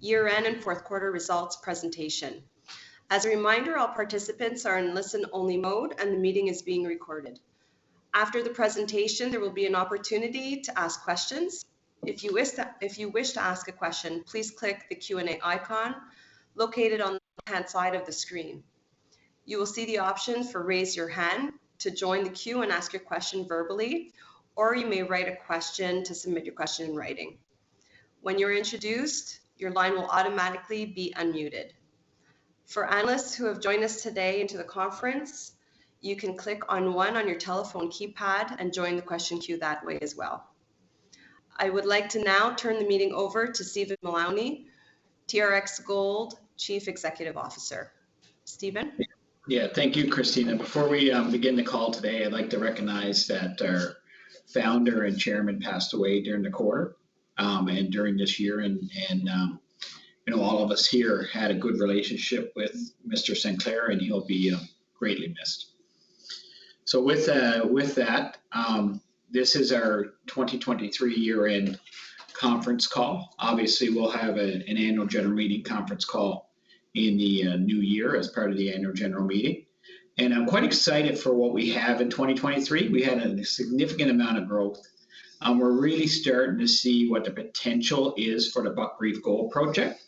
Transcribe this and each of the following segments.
Year-end and fourth quarter results presentation. As a reminder, all participants are in listen-only mode, and the meeting is being recorded. After the presentation, there will be an opportunity to ask questions. If you wish to, if you wish to ask a question, please click the Q&A icon located on the right-hand side of the screen. You will see the option for Raise your Hand to join the queue and ask your question verbally, or you may write a question to submit your question in writing. When you're introduced, your line will automatically be unmuted. For analysts who have joined us today into the conference, you can click on one on your telephone keypad and join the question queue that way as well. I would like to now turn the meeting over to Stephen Mullowney, TRX Gold Chief Executive Officer. Stephen? Yeah, thank you, Christina. Before we begin the call today, I'd like to recognize that our founder and chairman passed away during the quarter, and during this year, and, you know, all of us here had a good relationship with Mr. Sinclair, and he'll be greatly missed. So with that, this is our 2023 year-end conference call. Obviously, we'll have an annual general meeting conference call in the new year as part of the annual general meeting. I'm quite excited for what we have in 2023. We had a significant amount of growth. We're really starting to see what the potential is for the Buckreef Gold Project.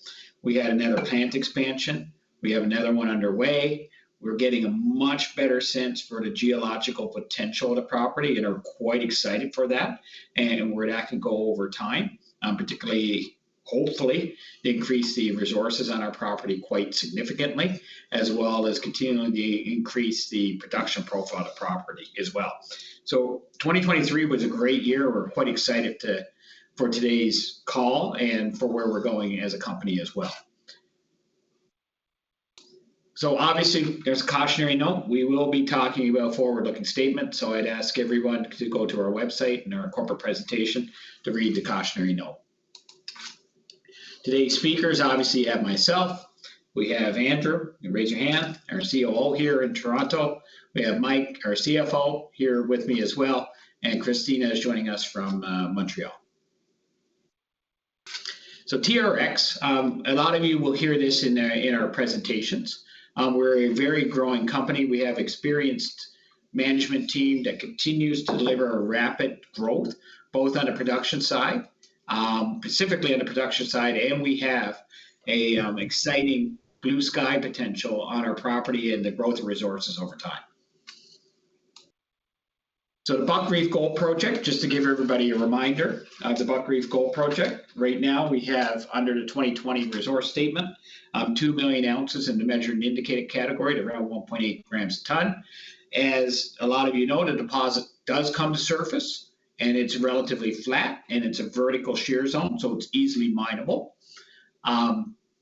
We had another plant expansion. We have another one underway. We're getting a much better sense for the geological potential of the property and are quite excited for that, and where that can go over time, particularly, hopefully, increase the resources on our property quite significantly, as well as continuing to increase the production profile of the property as well. So 2023 was a great year. We're quite excited for today's call and for where we're going as a company as well. So obviously, there's a cautionary note. We will be talking about forward-looking statements, so I'd ask everyone to go to our website and our corporate presentation to read the cautionary note. Today's speakers, obviously, you have myself, we have Andrew, you can raise your hand, our COO here in Toronto. We have Mike, our CFO, here with me as well, and Christina is joining us from Montreal. So TRX, a lot of you will hear this in in our presentations. We're a very growing company. We have experienced management team that continues to deliver a rapid growth, both on the production side, specifically on the production side, and we have a exciting blue sky potential on our property and the growth resources over time. So the Buckreef Gold Project, just to give everybody a reminder, the Buckreef Gold Project. Right now, we have under the 2020 resource statement, 2 million ounces in the Measured and Indicated category at around 1.8 grams a ton. As a lot of you know, the deposit does come to surface, and it's relatively flat, and it's a vertical shear zone, so it's easily mineable.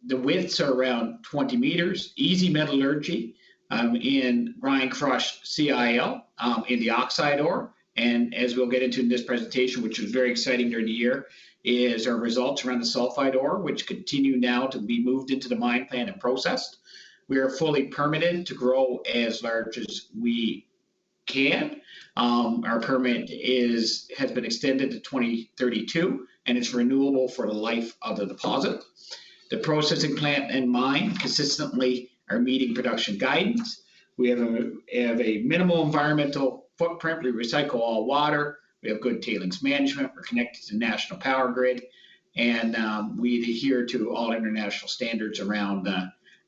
The widths are around 20 meters, easy metallurgy, and grind crush CIL, in the oxide ore. As we'll get into in this presentation, which was very exciting during the year, is our results around the sulfide ore, which continue now to be moved into the mine plan and processed. We are fully permitted to grow as large as we can. Our permit has been extended to 2032, and it's renewable for the life of the deposit. The processing plant and mine consistently are meeting production guidance. We have a minimal environmental footprint. We recycle all water. We have good tailings management. We're connected to national power grid, and we adhere to all international standards around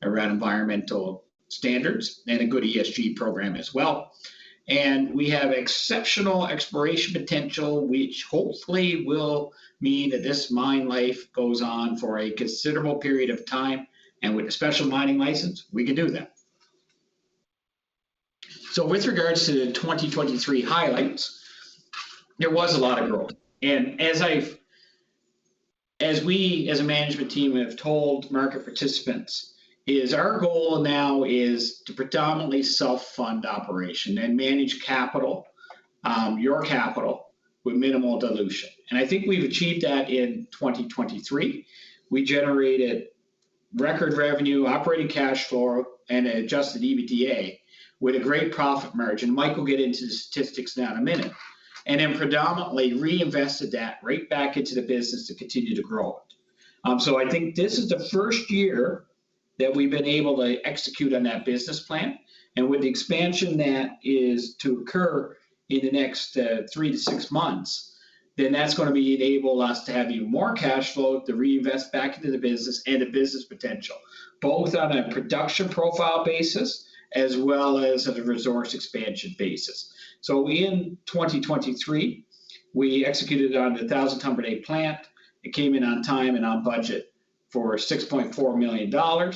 environmental standards and a good ESG program as well. We have exceptional exploration potential, which hopefully will mean that this mine life goes on for a considerable period of time, and with a Special Mining License, we can do that. With regards to the 2023 highlights, there was a lot of growth. As we, as a management team, have told market participants, is our goal now is to predominantly self-fund operation and manage capital, your capital, with minimal dilution, and I think we've achieved that in 2023. We generated record revenue, operating cash flow, and Adjusted EBITDA, with a great profit margin. Mike will get into the statistics now in a minute. Then predominantly reinvested that right back into the business to continue to grow it. So I think this is the first year that we've been able to execute on that business plan, and with the expansion that is to occur in the next 3-6 months, then that's gonna be enable us to have even more cash flow to reinvest back into the business and the business potential, both on a production profile basis as well as on a resource expansion basis. So in 2023, we executed on the 1,000 ton per day plant. It came in on time and on budget for $6.4 million.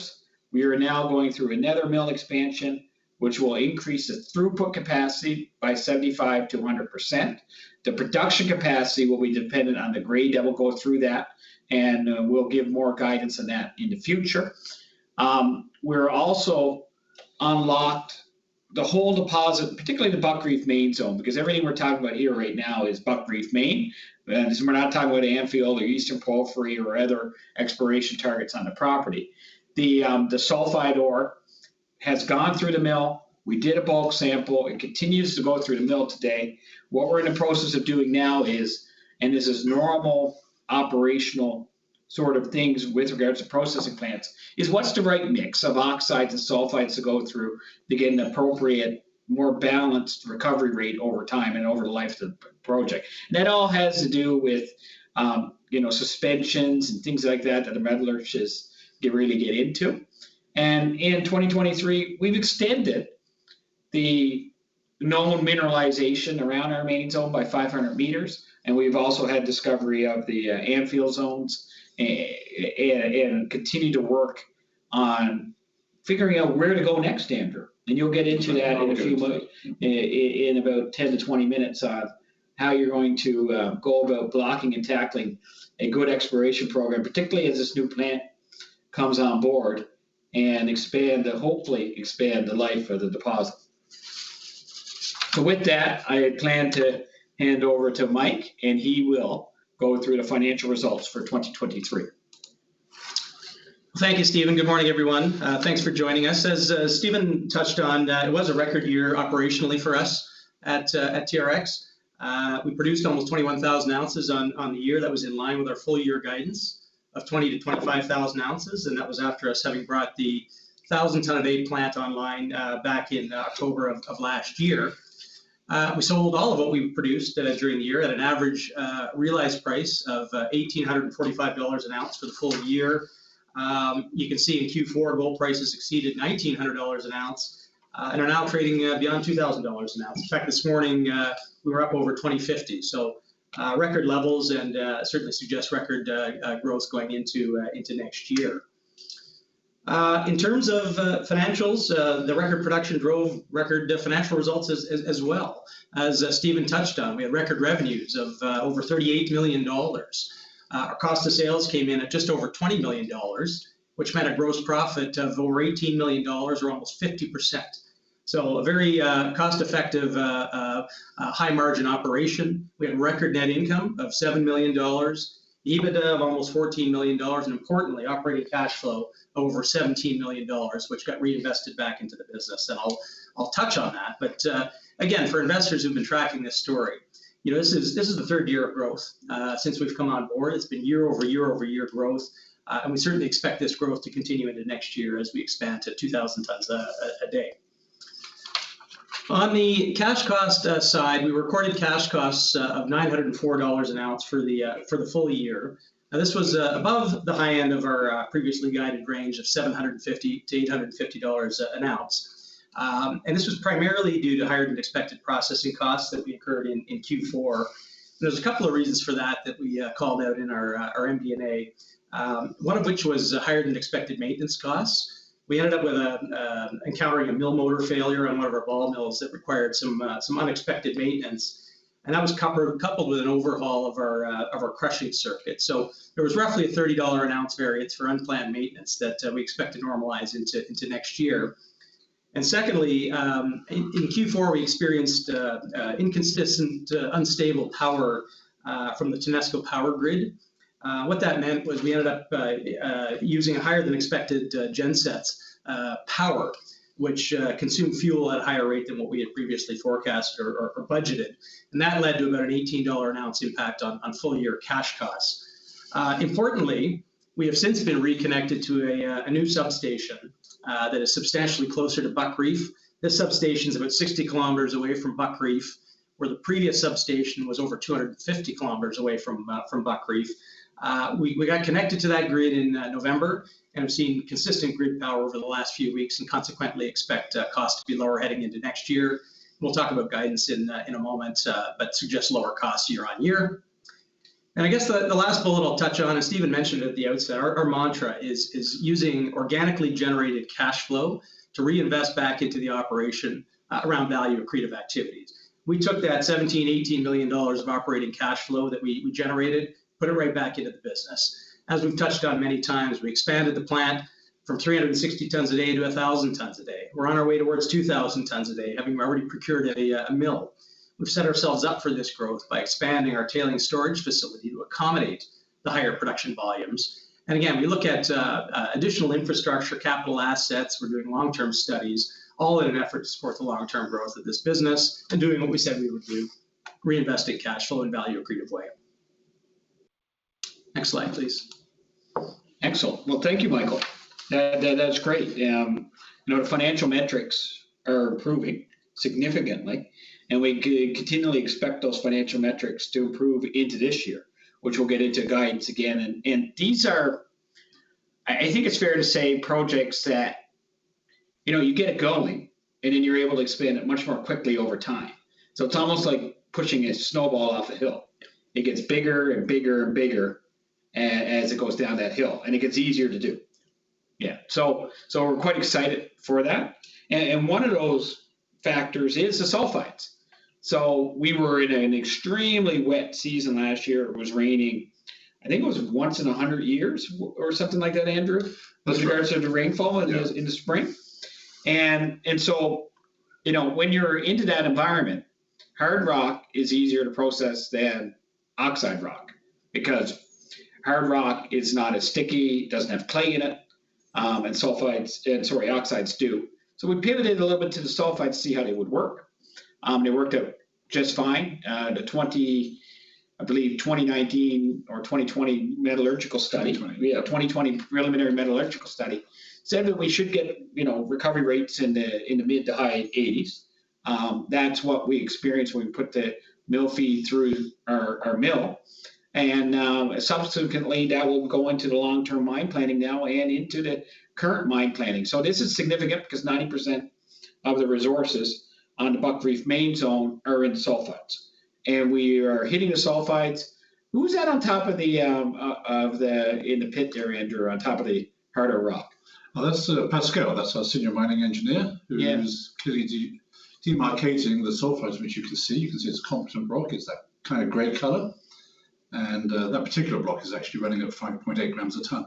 We are now going through another mill expansion, which will increase the throughput capacity by 75%-100%. The production capacity will be dependent on the grade that will go through that, and we'll give more guidance on that in the future. We're also unlocked the whole deposit, particularly the Buckreef Main Zone, because everything we're talking about here right now is Buckreef Main. So we're not talking about Anfield or Eastern Porphyry or other exploration targets on the property. The sulfide ore has gone through the mill. We did a bulk sample. It continues to go through the mill today. What we're in the process of doing now is, and this is normal operational sort of things with regards to processing plants, is what's the right mix of oxides and sulfides to go through to get an appropriate, more balanced recovery rate over time and over the life of the project? That all has to do with, you know, suspensions and things like that, that the metallurgists get really into. In 2023, we've extended the known mineralization around our Main Zone by 500 meters, and we've also had discovery of the Anfield zones and continue to work on figuring out where to go next, Andrew. You'll get into that- I will... in about 10-20 minutes on how you're going to go about blocking and tackling a good exploration program, particularly as this new plant comes on board and expand, hopefully expand the life of the deposit. So with that, I plan to hand over to Mike, and he will go through the financial results for 2023. Thank you, Stephen. Good morning, everyone, thanks for joining us. As Stephen touched on, that it was a record year operationally for us at TRX. We produced almost 21,000 ounces on the year. That was in line with our full year guidance of 20-25,000 ounces, and that was after us having brought the 1,000-ton-a-day plant online back in October of last year. We sold all of what we produced during the year at an average realized price of $1,845 an ounce for the full year. You can see in Q4, gold prices exceeded $1,900 an ounce, and are now trading beyond $2,000 an ounce. In fact, this morning, we were up over 2,050, so, record levels and, certainly suggest record growth going into next year. In terms of, financials, the record production drove record financial results as well. As, Stephen touched on, we had record revenues of over $38 million. Our cost of sales came in at just over $20 million, which meant a gross profit of over $18 million or almost 50%, so a very cost-effective, a high-margin operation. We had record net income of $7 million, EBITDA of almost $14 million, and importantly, operating cash flow over $17 million, which got reinvested back into the business, and I'll touch on that. But again, for investors who've been tracking this story, you know, this is, this is the third year of growth, since we've come on board. It's been year-over-year-over-year growth, and we certainly expect this growth to continue into next year as we expand to 2,000 tons a day. On the cash cost side, we recorded cash costs of $904 an ounce for the full year. Now, this was above the high end of our previously guided range of $750-$850 an ounce. And this was primarily due to higher-than-expected processing costs that we incurred in Q4. There's a couple of reasons for that, that we called out in our MD&A, one of which was higher-than-expected maintenance costs. We ended up encountering a mill motor failure on one of our ball mills that required some unexpected maintenance, and that was coupled with an overhaul of our crushing circuit. So there was roughly a $30 an ounce variance for unplanned maintenance that we expect to normalize into next year. And secondly, in Q4, we experienced inconsistent, unstable power from the TANESCO power grid. What that meant was we ended up using higher-than-expected gensets power, which consumed fuel at a higher rate than what we had previously forecasted or budgeted, and that led to about an $18-an-ounce impact on full-year cash costs. Importantly, we have since been reconnected to a new substation that is substantially closer to Buckreef. This substation is about 60 km away from Buckreef, where the previous substation was over 250 km away from Buckreef. We got connected to that grid in November, and we've seen consistent grid power over the last few weeks and consequently expect costs to be lower heading into next year. We'll talk about guidance in a moment, but suggest lower costs year-over-year. I guess the last bullet I'll touch on, as Stephen mentioned at the outset, our mantra is using organically generated cash flow to reinvest back into the operation around value-accretive activities. We took that $17-$18 million of operating cash flow that we generated, put it right back into the business. As we've touched on many times, we expanded the plant from 360 tons a day to 1,000 tons a day. We're on our way towards 2,000 tons a day, having already procured a mill. We've set ourselves up for this growth by expanding our tailings storage facility to accommodate the higher production volumes. Again, we look at additional infrastructure, capital assets. We're doing long-term studies, all in an effort to support the long-term growth of this business and doing what we said we would do, reinvesting cash flow in a value-accretive way. Next slide, please. Excellent. Well, thank you, Michael. That, that's great. You know, the financial metrics are improving significantly, and we continually expect those financial metrics to improve into this year, which we'll get into guidance again. And these are... I think it's fair to say, projects that, you know, you get it going, and then you're able to expand it much more quickly over time. So it's almost like pushing a snowball off a hill. It gets bigger and bigger and bigger as it goes down that hill, and it gets easier to do. Yeah, so we're quite excited for that, and one of those factors is the sulfides. So we were in an extremely wet season last year. It was raining, I think it was once in a hundred years or something like that, Andrew? That's right. In regards to the rainfall- Yes ...in the spring. And so, you know, when you're into that environment, hard rock is easier to process than oxide rock because hard rock is not as sticky, doesn't have clay in it, and sulfides, and sorry, oxides do. So we pivoted a little bit to the sulfides to see how they would work. They worked out just fine. I believe, the 2019 or 2020 metallurgical study- Twenty. Yeah, 2020 preliminary metallurgical study said that we should get, you know, recovery rates in the mid- to high 80s%. That's what we experienced when we put the mill feed through our mill. And subsequently, that will go into the long-term mine planning now and into the current mine planning. So this is significant because 90% of the resources on the Buckreef Main Zone are in sulfides. And we are hitting the sulfides. Who's that on top of the of the in the pit there, Andrew, on top of the harder rock? Oh, that's Pascal. That's our senior mining engineer- Yeah... who is clearly demarcating the sulfides, which you can see. You can see it's competent rock. It's that kinda gray color, and that particular block is actually running at 5.8 grams a ton.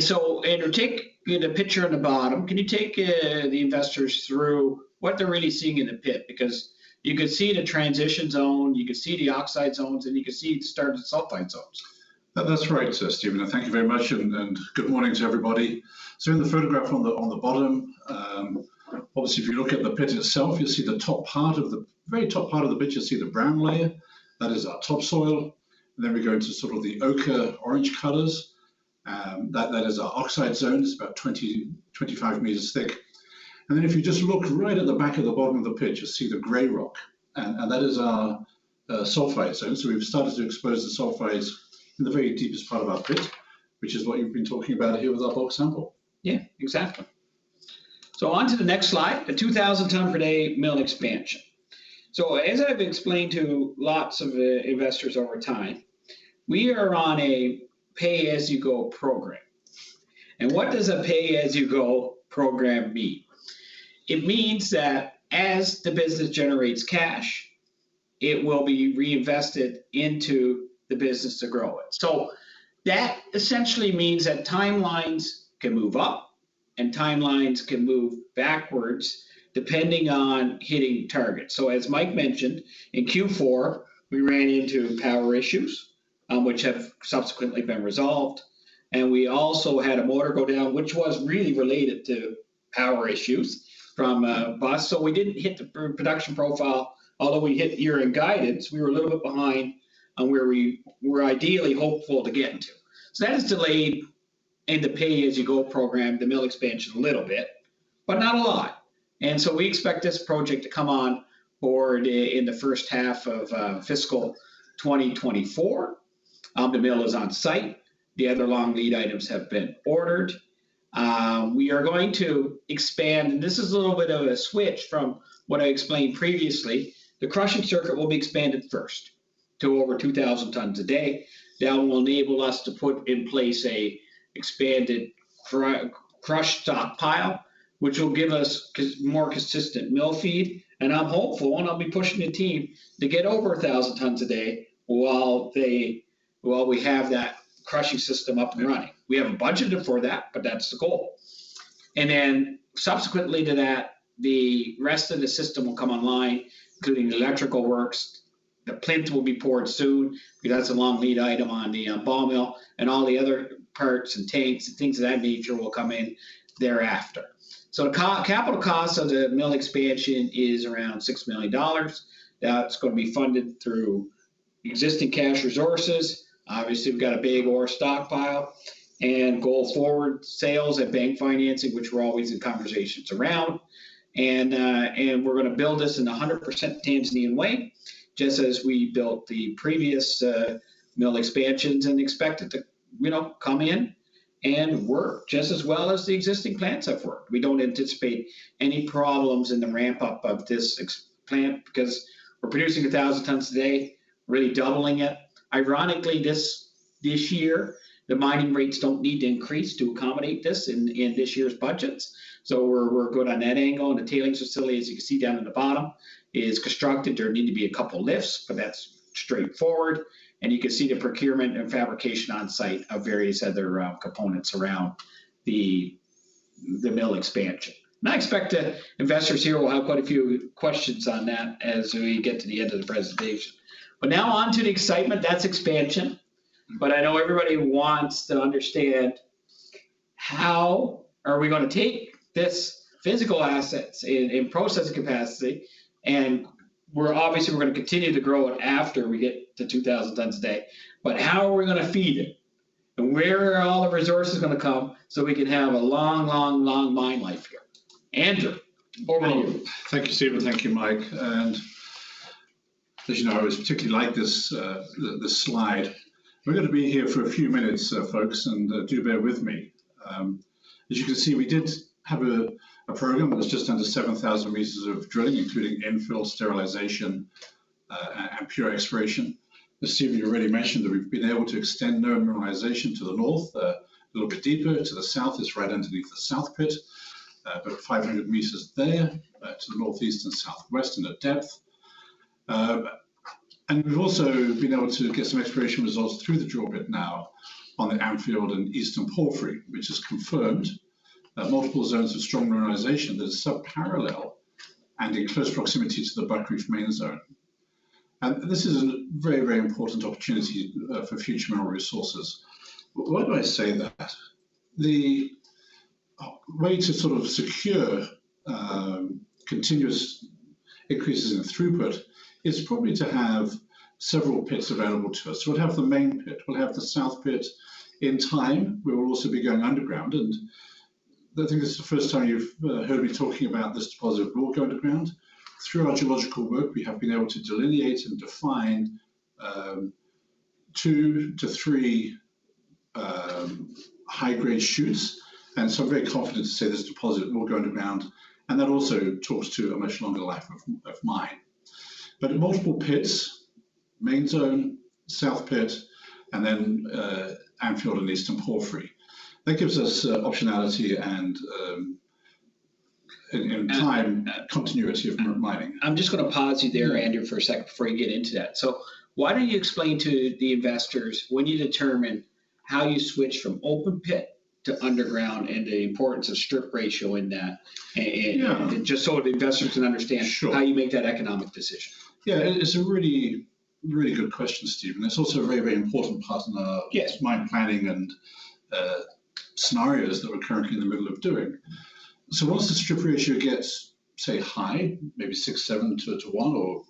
So Andrew, take the picture on the bottom. Can you take the investors through what they're really seeing in the pit? Because you can see the transition zone, you can see the oxide zones, and you can see the starting sulfide zones. That's right, Stephen, and thank you very much and good morning to everybody. So in the photograph on the bottom, obviously, if you look at the pit itself, you'll see the top part of the very top part of the pit, you'll see the brown layer. That is our topsoil, and then we go to sort of the ochre orange colors, that is our oxide zone. It's about 20-25 meters thick. And then if you just look right at the back of the bottom of the pit, you'll see the gray rock, and that is our sulfide zone. So we've started to expose the sulfides in the very deepest part of our pit, which is what you've been talking about here with our bulk sample. Yeah, exactly. So onto the next slide, the 2,000 ton per day mill expansion. So as I've explained to lots of investors over time, we are on a pay-as-you-go program. And what does a pay-as-you-go program mean? It means that as the business generates cash, it will be reinvested into the business to grow it. So that essentially means that timelines can move up and timelines can move backwards, depending on hitting targets. So as Mike mentioned, in Q4, we ran into power issues, which have subsequently been resolved, and we also had a motor go down, which was really related to power issues from bus. So we didn't hit the production profile, although we hit the year-end guidance, we were a little bit behind on where we were ideally hopeful to get into. So that has delayed in the pay-as-you-go program, the mill expansion a little bit, but not a lot. And so we expect this project to come on board in the first half of fiscal 2024. The mill is on site. The other long lead items have been ordered. We are going to expand, and this is a little bit of a switch from what I explained previously. The crushing circuit will be expanded first to over 2,000 tons a day. That will enable us to put in place a expanded crush stockpile, which will give us more consistent mill feed. And I'm hopeful, and I'll be pushing the team to get over 1,000 tons a day while they, while we have that crushing system up and running. We haven't budgeted for that, but that's the goal. And then subsequently to that, the rest of the system will come online, including the electrical works. The plinth will be poured soon. That's a long lead item on the ball mill, and all the other parts and tanks and things of that nature will come in thereafter. So capital cost of the mill expansion is around $6 million. That's gonna be funded through existing cash resources. Obviously, we've got a big ore stockpile, and go forward, sales and bank financing, which we're always in conversations around. And we're gonna build this in a 100% Tanzanian way, just as we built the previous mill expansions and expect it to, you know, come in and work just as well as the existing plants have worked. We don't anticipate any problems in the ramp-up of this expansion plant because we're producing 1,000 tons a day, really doubling it. Ironically, this year, the mining rates don't need to increase to accommodate this in this year's budgets, so we're good on that angle. And the tailings facility, as you can see down in the bottom, is constructed. There need to be a couple lifts, but that's straightforward. And you can see the procurement and fabrication on site of various other components around the mill expansion. And I expect the investors here will have quite a few questions on that as we get to the end of the presentation. But now on to the excitement, that's expansion. I know everybody wants to understand how are we gonna take this physical assets in processing capacity, and we're obviously gonna continue to grow it after we get to 2,000 tons a day. But how are we gonna feed it? And where are all the resources gonna come so we can have a long, long, long mine life here? Andrew, over to you. Thank you, Stephen. Thank you, Mike. And as you know, I always particularly like this slide. We're gonna be here for a few minutes, folks, and do bear with me. As you can see, we did have a program that was just under 7,000 meters of drilling, including infill sterilization and pure exploration. As Stephen already mentioned, that we've been able to extend known mineralization to the north, a little bit deeper. To the south, it's right underneath the South Pit, about 500 meters there, to the northeast and southwest and at depth. And we've also been able to get some exploration results through the drill bit now on the Anfield and Eastern Porphyry, which has confirmed that multiple zones of strong mineralization that are subparallel and in close proximity to the Buckreef Main Zone. This is a very, very important opportunity for future mineral resources. Why do I say that? The way to sort of secure continuous increases in throughput is probably to have several pits available to us. We'll have the main pit, we'll have the South Pit. In time, we will also be going underground, and I think this is the first time you've heard me talking about this deposit will go underground. Through our geological work, we have been able to delineate and define 2-3 high-grade shoots, and so I'm very confident to say this deposit will go underground, and that also talks to a much longer life of mine. But multiple pits, Main Zone, South Pit, and then Anfield and Eastern Porphyry. That gives us optionality and time continuity of mining. I'm just gonna pause you there, Andrew, for a sec before you get into that. So why don't you explain to the investors when you determine how you switch from open pit to underground and the importance of strip ratio in that? Yeah... just so the investors can understand- Sure how you make that economic decision. Yeah, it's a really, really good question, Stephen. It's also a very, very important part in, Yes... mine planning and scenarios that we're currently in the middle of doing. So once the strip ratio gets, say, high, maybe 6, 7-to-1, or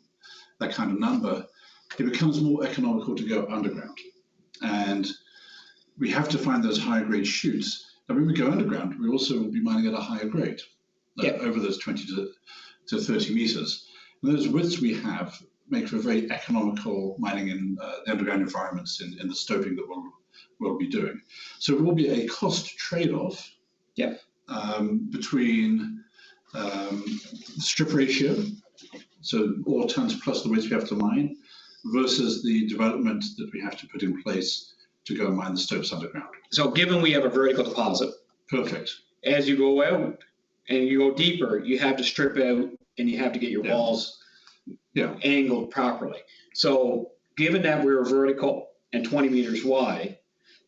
that kind of number, it becomes more economical to go underground, and we have to find those high-grade shoots. And when we go underground, we also will be mining at a higher grade- Yeah... over those 20-30 meters. Those widths we have make for very economical mining in the underground environments in the stoping that we'll be doing. So it will be a cost trade-off- Yeah... between strip ratio, so ore tons plus the waste we have to mine, versus the development that we have to put in place to go mine the stopes underground. Given we have a vertical deposit- Perfect... as you go out and you go deeper, you have to strip out, and you have to get your walls- Yeah... angled properly. Given that we're vertical and 20 meters wide,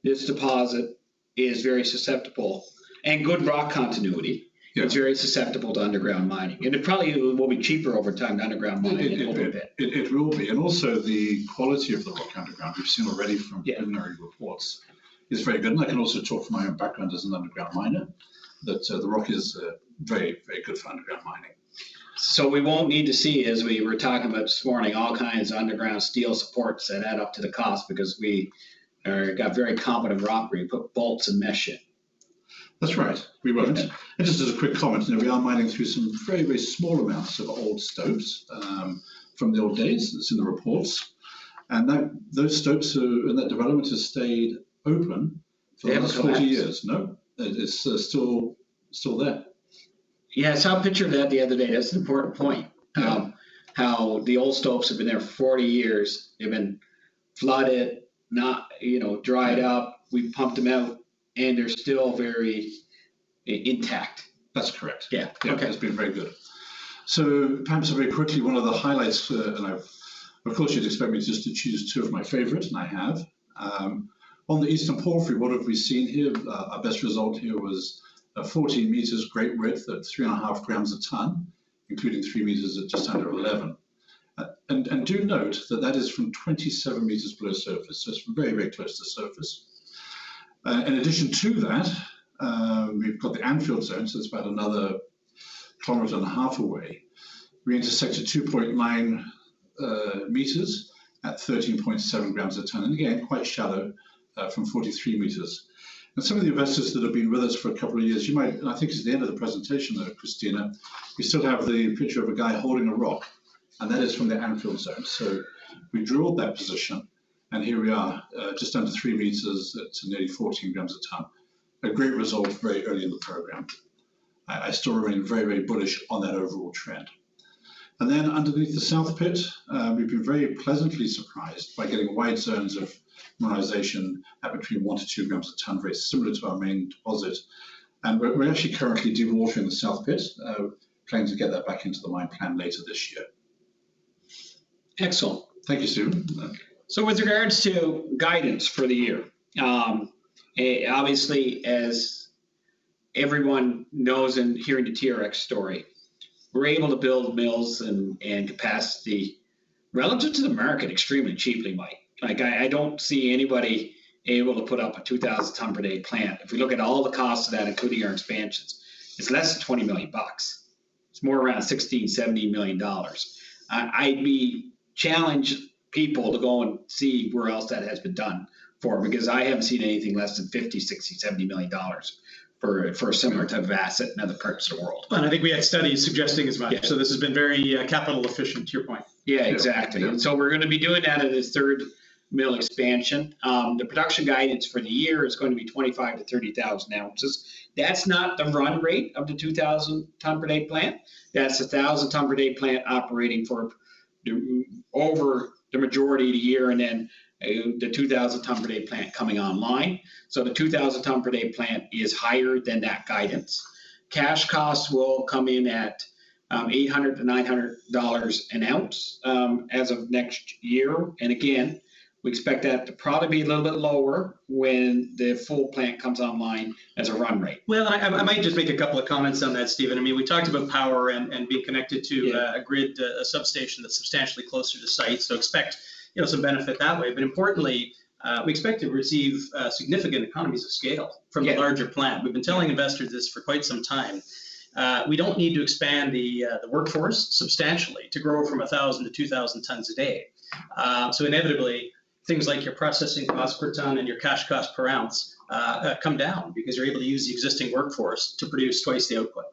this deposit is very susceptible, and good rock continuity. Yeah. It's very susceptible to underground mining, and it probably will be cheaper over time to underground mining than open pit. It will be, and also the quality of the rock underground, we've seen already from- Yeah... preliminary reports, is very good. I can also talk from my own background as an underground miner, that the rock is very, very good for underground mining. So we won't need to see, as we were talking about this morning, all kinds of underground steel supports that add up to the cost because we got very competent rock where you put bolts and mesh in. That's right. We won't. Yeah. Just as a quick comment, you know, we are mining through some very, very small amounts of old stopes from the old days. It's in the reports, and those stopes are, and that development has stayed open for over 40 years. They haven't collapsed? No. It is, still, still there. Yeah, I saw a picture of that the other day. That's an important point- Um... how the old stopes have been there for 40 years. They've been flooded, not, you know, dried up. We pumped them out, and they're still very intact. That's correct. Yeah. Okay. Yeah, it's been very good. So perhaps very quickly, one of the highlights for, and I've... Of course, you'd expect me just to choose two of my favorite, and I have. On the Eastern Porphyry, what have we seen here? Our best result here was 14 meters great width at 3.5 grams a ton, including 3 meters at just under 11. And do note that that is from 27 meters below surface. So it's very, very close to the surface. In addition to that, we've got the Anfield Zone, so it's about another 1.5 kilometers away. We intersected 2.9 meters at 13.7 grams a ton, and again, quite shallow, from 43 meters. Some of the investors that have been with us for a couple of years, you might, and I think it's the end of the presentation, though, Christina, we still have the picture of a guy holding a rock, and that is from the Anfield Zone. So we drilled that position, and here we are, just under 3 meters at nearly 14 grams a ton. A great result very early in the program. I, I still remain very, very bullish on that overall trend. And then underneath the South Pit, we've been very pleasantly surprised by getting wide zones of mineralization at between 1-2 grams a ton, very similar to our main deposit. And we're, we're actually currently dewatering the South Pit, planning to get that back into the mine plan later this year. Excellent. Thank you, Stephen. So with regards to guidance for the year, obviously, as everyone knows in hearing the TRX story, we're able to build mills and capacity relative to the market extremely cheaply, Mike. Like, I don't see anybody able to put up a 2,000 ton per day plant. If we look at all the costs of that, including our expansions, it's less than $20 million. It's more around $16-$17 million. I'd challenge people to go and see where else that has been done for, because I haven't seen anything less than $50-$70 million for a similar type of asset in other parts of the world. I think we had studies suggesting as much. Yeah. This has been very capital efficient, to your point. Yeah, exactly. Yeah. And so we're gonna be doing that in this third mill expansion. The production guidance for the year is going to be 25,000-30,000 ounces. That's not the run rate of the 2,000 ton per day plant. That's a 1,000 ton per day plant operating for over the majority of the year and then the 2,000 ton per day plant coming online. So the 2,000 ton per day plant is higher than that guidance. Cash costs will come in at $800-$900 an ounce, as of next year. And again, we expect that to probably be a little bit lower when the full plant comes online as a run rate. Well, I might just make a couple of comments on that, Stephen. I mean, we talked about power and being connected to- Yeah... a grid, a substation that's substantially closer to site, so expect, you know, some benefit that way. But importantly, we expect to receive significant economies of scale from- Yeah... the larger plant. We've been telling investors this for quite some time. We don't need to expand the workforce substantially to grow from 1,000 to 2,000 tons a day. So inevitably, things like your processing cost per ton and your cash cost per ounce come down because you're able to use the existing workforce to produce twice the output.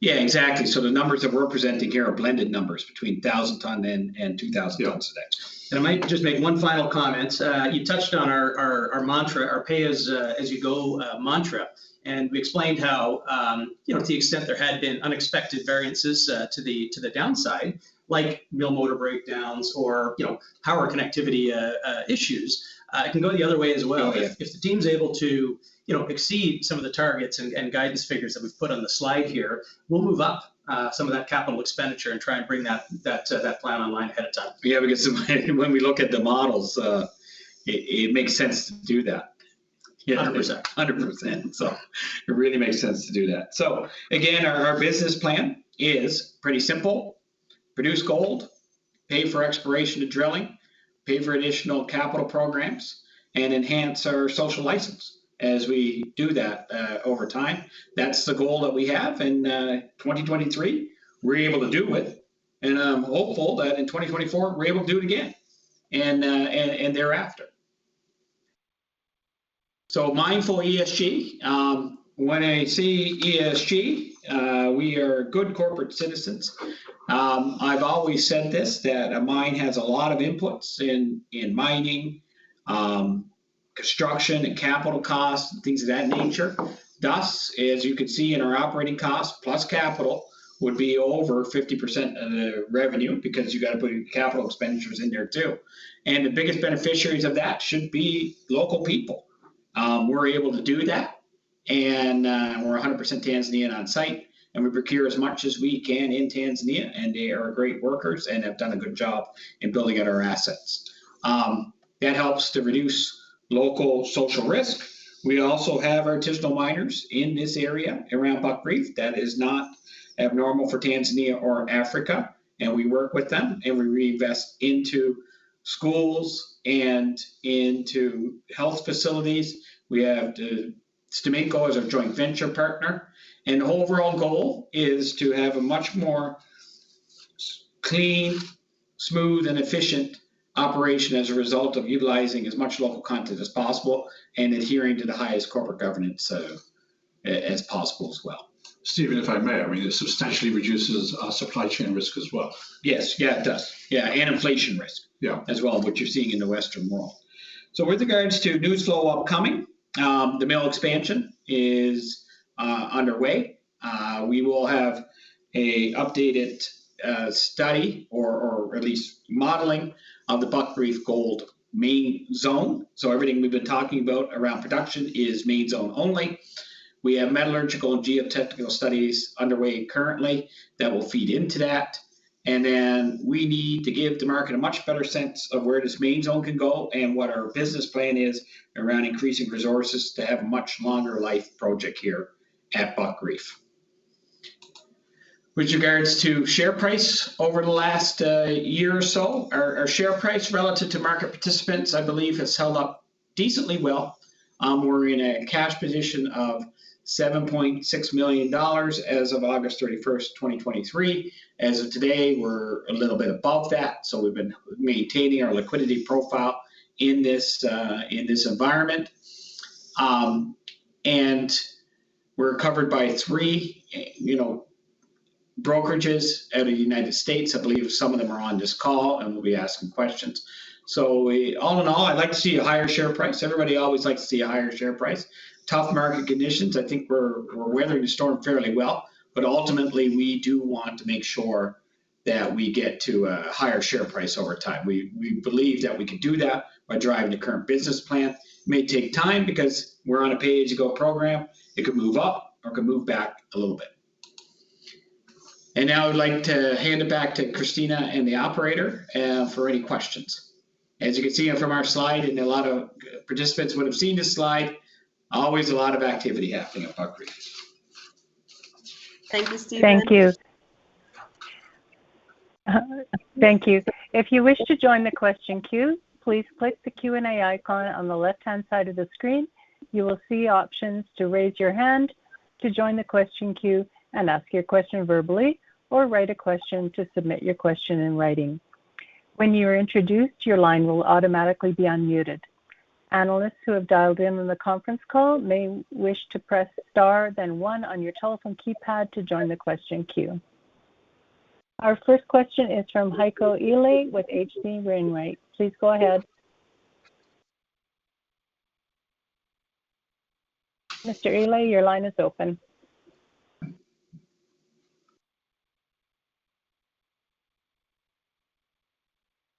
Yeah, exactly. So the numbers that we're presenting here are blended numbers between 1,000 ton and 2,000 tons a day. Yeah. And I might just make one final comment. You touched on our mantra, our pay as you go mantra, and we explained how, you know, to the extent there had been unexpected variances to the downside, like mill motor breakdowns or, you know, power connectivity issues, it can go the other way as well. Yeah. If the team's able to, you know, exceed some of the targets and guidance figures that we've put on the slide here, we'll move up some of that capital expenditure and try and bring that plan online ahead of time. Yeah, because when we look at the models, it makes sense to do that. Yeah, 100%. 100%. So it really makes sense to do that. So again, our business plan is pretty simple: produce gold, pay for exploration and drilling, pay for additional capital programs, and enhance our social license as we do that over time. That's the goal that we have in 2023. We're able to do it, and I'm hopeful that in 2024, we're able to do it again, and thereafter. So mindful ESG, when I see ESG, we are good corporate citizens. I've always said this, that a mine has a lot of inputs in mining, construction and capital costs, and things of that nature. Thus, as you can see in our operating costs, plus capital would be over 50% of the revenue because you gotta put capital expenditures in there, too. The biggest beneficiaries of that should be local people. We're able to do that, and we're 100% Tanzanian on site, and we procure as much as we can in Tanzania, and they are great workers and have done a good job in building out our assets. That helps to reduce local social risk. We also have artisanal miners in this area, around Buckreef, that is not abnormal for Tanzania or Africa, and we work with them, and we reinvest into schools and into health facilities. We have STAMICO as our joint venture partner, and the overall goal is to have a much more clean, smooth, and efficient operation as a result of utilizing as much local content as possible and adhering to the highest corporate governance as possible as well. Stephen, if I may, I mean, it substantially reduces supply chain risk as well. Yes. Yeah, it does. Yeah, and inflation risk- Yeah... as well, what you're seeing in the Western world. So with regards to news flow upcoming, the mill expansion is underway. We will have an updated study or at least modeling of the Buckreef Gold Main Zone. So everything we've been talking about around production is Main Zone only. We have metallurgical and geotechnical studies underway currently that will feed into that, and then we need to give the market a much better sense of where this Main Zone can go and what our business plan is around increasing resources to have a much longer life project here at Buckreef. With regards to share price, over the last year or so, our share price relative to market participants, I believe, has held up decently well. We're in a cash position of $7.6 million as of August 31, 2023. As of today, we're a little bit above that, so we've been maintaining our liquidity profile in this, in this environment. And we're covered by three, you know, brokerages out of United States. I believe some of them are on this call, and will be asking questions. So we, all in all, I'd like to see a higher share price. Everybody always likes to see a higher share price. Tough market conditions, I think we're, we're weathering the storm fairly well, but ultimately, we do want to make sure that we get to a higher share price over time. We, we believe that we can do that by driving the current business plan. It may take time because we're on a pay-as-you-go program. It could move up or could move back a little bit. Now I'd like to hand it back to Christina and the operator for any questions. As you can see from our slide, and a lot of participants would have seen this slide, always a lot of activity happening at Buckreef. Thank you, Stephen. Thank you. Thank you. If you wish to join the question queue, please click the Q&A icon on the left-hand side of the screen. You will see options to raise your hand to join the question queue and ask your question verbally or write a question to submit your question in writing. When you are introduced, your line will automatically be unmuted. Analysts who have dialed in on the conference call may wish to press Star, then one on your telephone keypad to join the question queue. Our first question is from Heiko Ihle with H.C. Wainwright & Co.. Please go ahead. Mr. Ihle, your line is open....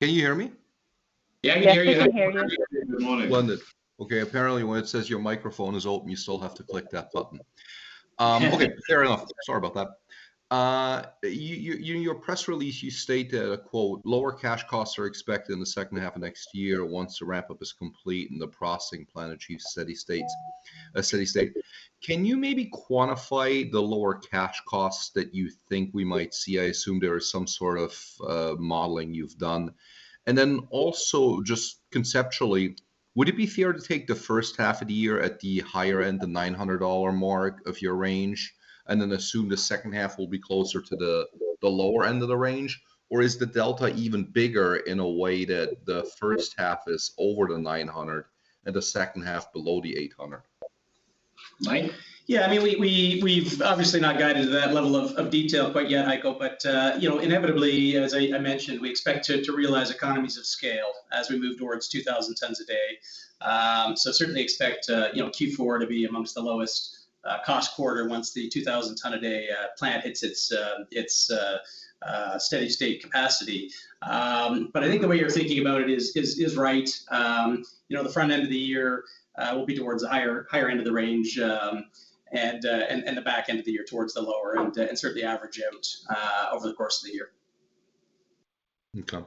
Can you hear me? Yeah, I can hear you. Yeah, I can hear you. Good morning. Wonderful. Okay, apparently, when it says your microphone is open, you still have to click that button. Okay, fair enough. Sorry about that. Your press release, you stated, quote, "Lower cash costs are expected in the second half of next year once the ramp-up is complete and the processing plant achieves steady state." Can you maybe quantify the lower cash costs that you think we might see? I assume there is some sort of modeling you've done. And then also, just conceptually, would it be fair to take the first half of the year at the higher end, the $900 mark of your range, and then assume the second half will be closer to the lower end of the range? Or is the delta even bigger in a way that the first half is over the $900 and the second half below the $800? Mike? Yeah, I mean, we've obviously not guided to that level of detail quite yet, Heiko, but, you know, inevitably, as I mentioned, we expect to realize economies of scale as we move towards 2,000 tons a day. So certainly expect, you know, Q4 to be amongst the lowest cost quarter once the 2,000 ton a day plant hits its steady state capacity. But I think the way you're thinking about it is right. You know, the front end of the year will be towards the higher end of the range, and the back end of the year towards the lower end, and certainly average out over the course of the year. Okay.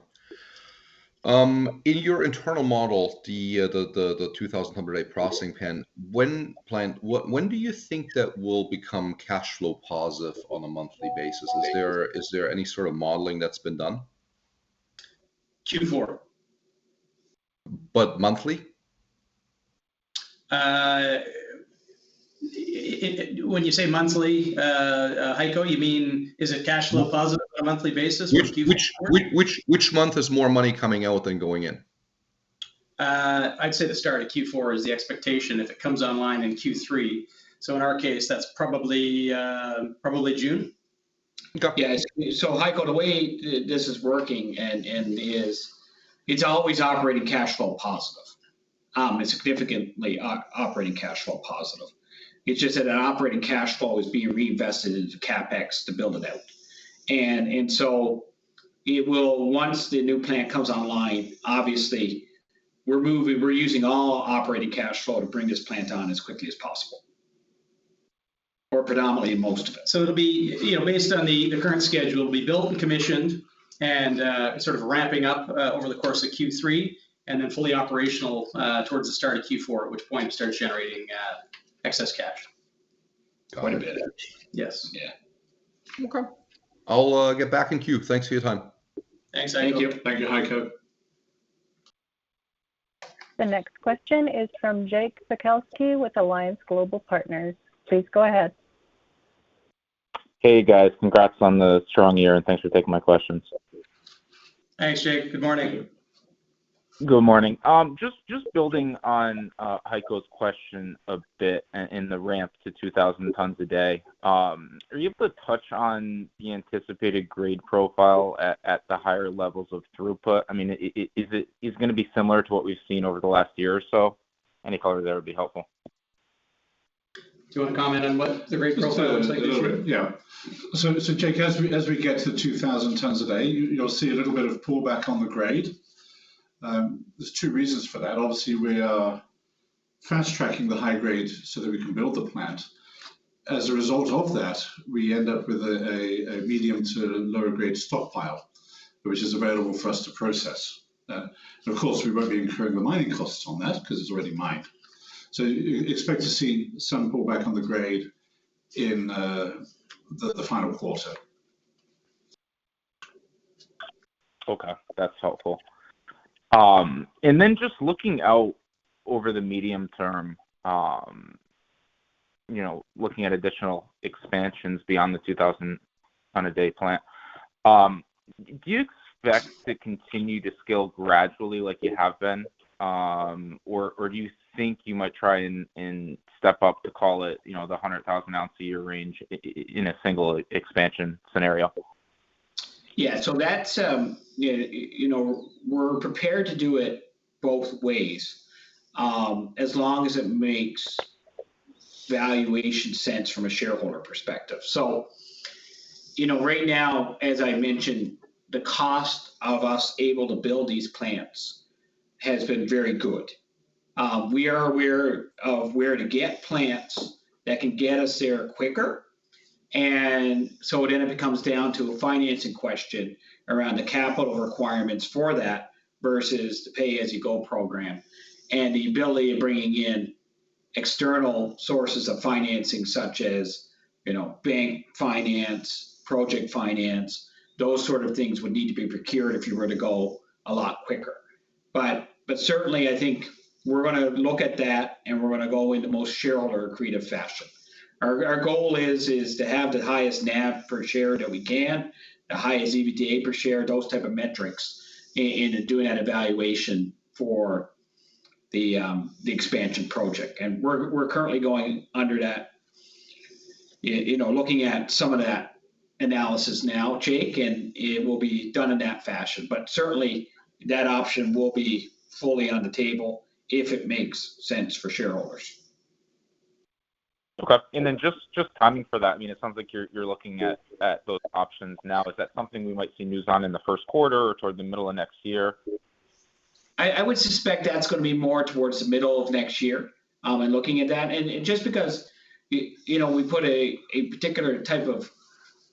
In your internal model, the 2,000 ton a day processing plant, when planned... When do you think that will become cash flow positive on a monthly basis? Is there any sort of modeling that's been done? Q4. But monthly? When you say monthly, Heiko, you mean, is it cash flow positive on a monthly basis or Q4? Which month is more money coming out than going in? I'd say the start of Q4 is the expectation, if it comes online in Q3. So in our case, that's probably, probably June. Okay. Yeah, so Heiko, the way this is working and, and is, it's always operating cash flow positive, and significantly operating cash flow positive. It's just that operating cash flow is being reinvested into CapEx to build it out. And, and so it will, once the new plant comes online, obviously, we're moving, we're using all operating cash flow to bring this plant on as quickly as possible, or predominantly most of it. So it'll be, you know, based on the current schedule, it'll be built and commissioned and sort of ramping up over the course of Q3, and then fully operational towards the start of Q4, at which point it starts generating excess cash. Quite a bit. Yes. Yeah. Okay. I'll get back in queue. Thanks for your time. Thanks, Heiko. Thank you. Thank you, Heiko. The next question is from Jake Sekelsky with Alliance Global Partners. Please go ahead. Hey, guys. Congrats on the strong year, and thanks for taking my questions. Thanks, Jake. Good morning. Good morning. Just, just building on Heiko's question a bit in the ramp to 2,000 tons a day, are you able to touch on the anticipated grade profile at the higher levels of throughput? I mean, is it gonna be similar to what we've seen over the last year or so? Any color there would be helpful. Do you want to comment on what the grade profile looks like this year? Yeah. So, Jake, as we get to the 2,000 tons a day, you'll see a little bit of pullback on the grade. There's two reasons for that. Obviously, we are fast-tracking the high grade so that we can build the plant. As a result of that, we end up with a medium to lower grade stock pile, which is available for us to process. Of course, we won't be incurring the mining costs on that because it's already mined. So expect to see some pullback on the grade in the final quarter. Okay, that's helpful. And then just looking out over the medium term, you know, looking at additional expansions beyond the 2,000 ton a day plant, do you expect to continue to scale gradually like you have been? Or do you think you might try and step up to call it, you know, the 100,000 ounce a year range in a single expansion scenario? Yeah, so that's, you know, we're prepared to do it both ways, as long as it makes valuation sense from a shareholder perspective. So, you know, right now, as I mentioned, the cost of us able to build these plants has been very good. We are aware of where to get plants that can get us there quicker, and so it then it comes down to a financing question around the capital requirements for that versus the pay-as-you-go program. And the ability of bringing in external sources of financing, such as, you know, bank finance, project finance, those sort of things would need to be procured if you were to go a lot quicker. But, but certainly, I think we're gonna look at that, and we're gonna go in the most shareholder accretive fashion. Our goal is to have the highest NAV per share that we can, the highest EBITDA per share, those type of metrics, in doing that evaluation for the expansion project. And we're currently going under that. You know, looking at some of that analysis now, Jake, and it will be done in that fashion. But certainly, that option will be fully on the table if it makes sense for shareholders. ... Okay, and then just, just timing for that, I mean, it sounds like you're, you're looking at, at both options now. Is that something we might see news on in the first quarter or toward the middle of next year? I would suspect that's gonna be more towards the middle of next year, in looking at that. And just because, you know, we put a particular type of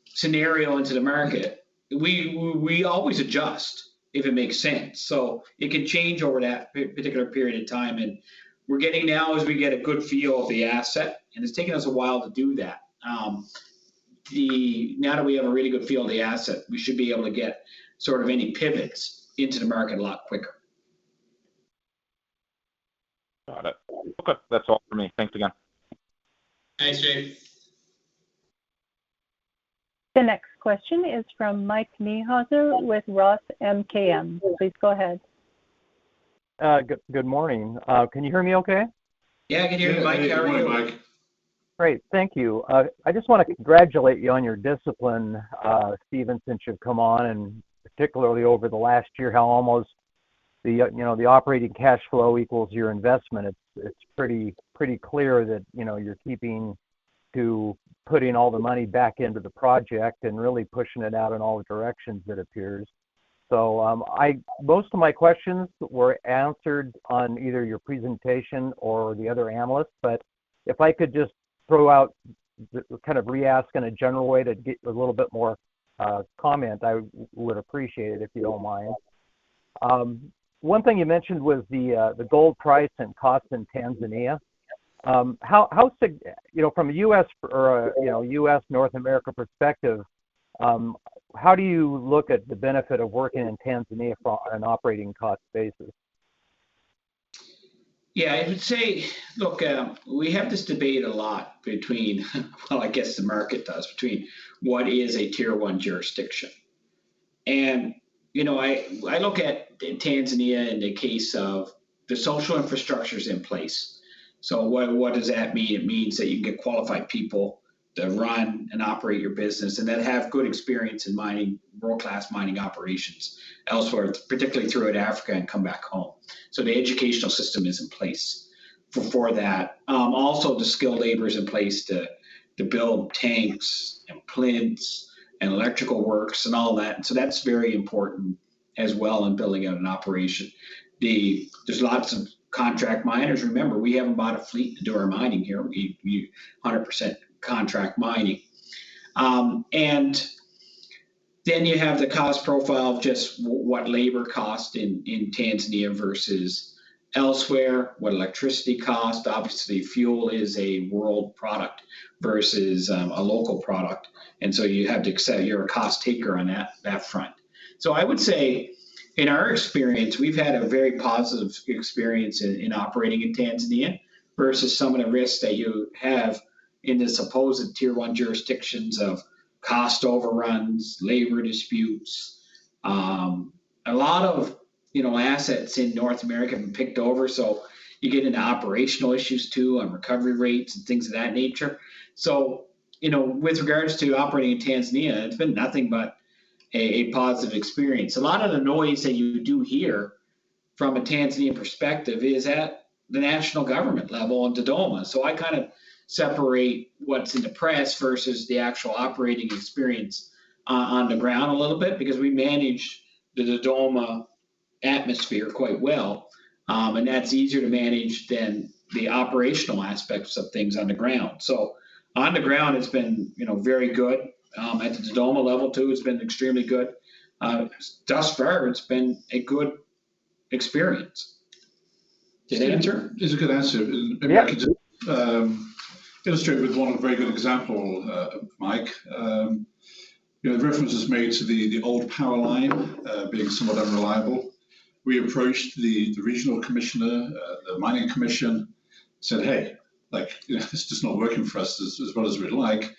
scenario into the market, we always adjust if it makes sense. So it can change over that particular period of time, and we're getting now as we get a good feel of the asset, and it's taken us a while to do that. Now that we have a really good feel of the asset, we should be able to get sort of any pivots into the market a lot quicker. Got it. Okay, that's all for me. Thanks again. Thanks, James. The next question is from Mike Niehuser with Roth MKM. Please go ahead. Good morning. Can you hear me okay? Yeah, I can hear you, Mike. How are you? Good morning, Mike. Great. Thank you. I just wanna congratulate you on your discipline, Stephen, since you've come on, and particularly over the last year, how almost the, you know, the operating cash flow equals your investment. It's, it's pretty, pretty clear that, you know, you're keeping to putting all the money back into the project and really pushing it out in all directions, it appears. So, most of my questions were answered on either your presentation or the other analysts, but if I could just throw out, kind of re-ask in a general way to get a little bit more comment, I would appreciate it, if you don't mind. One thing you mentioned was the gold price and cost in Tanzania. How significant, you know, from a U.S. or, you know, U.S., North America perspective, how do you look at the benefit of working in Tanzania from an operating cost basis? Yeah, I would say, look, we have this debate a lot between, well, I guess the market does, between what is a Tier 1 jurisdiction. And, you know, I, I look at Tanzania in the case of the social infrastructure's in place. So what, what does that mean? It means that you can get qualified people to run and operate your business, and that have good experience in mining, world-class mining operations elsewhere, particularly throughout Africa, and come back home. So the educational system is in place for, for that. Also, the skilled labor is in place to, to build tanks and plants and electrical works and all that, and so that's very important as well in building out an operation. There's lots of contract miners. Remember, we haven't bought a fleet to do our mining here. We, we 100% contract mining. And then you have the cost profile of just what labor cost in Tanzania versus elsewhere, what electricity cost. Obviously, fuel is a world product versus a local product, and so you have to accept you're a cost taker on that front. So I would say, in our experience, we've had a very positive experience in operating in Tanzania versus some of the risks that you have in the supposed Tier 1 jurisdictions of cost overruns, labor disputes. A lot of, you know, assets in North America have been picked over, so you get into operational issues, too, on recovery rates and things of that nature. So, you know, with regards to operating in Tanzania, it's been nothing but a positive experience. A lot of the noise that you do hear from a Tanzanian perspective is at the national government level in Dodoma. So I kind of separate what's in the press versus the actual operating experience on the ground a little bit, because we manage the Dodoma atmosphere quite well, and that's easier to manage than the operational aspects of things on the ground. So on the ground, it's been, you know, very good. At the Dodoma level, too, it's been extremely good. Thus far, it's been a good experience. Did I answer? It's a good answer. Yeah. I can illustrate with one very good example, Mike. You know, the reference is made to the old power line being somewhat unreliable. We approached the regional commissioner, the Mining Commission, said, "Hey, like, you know, this is just not working for us as well as we'd like."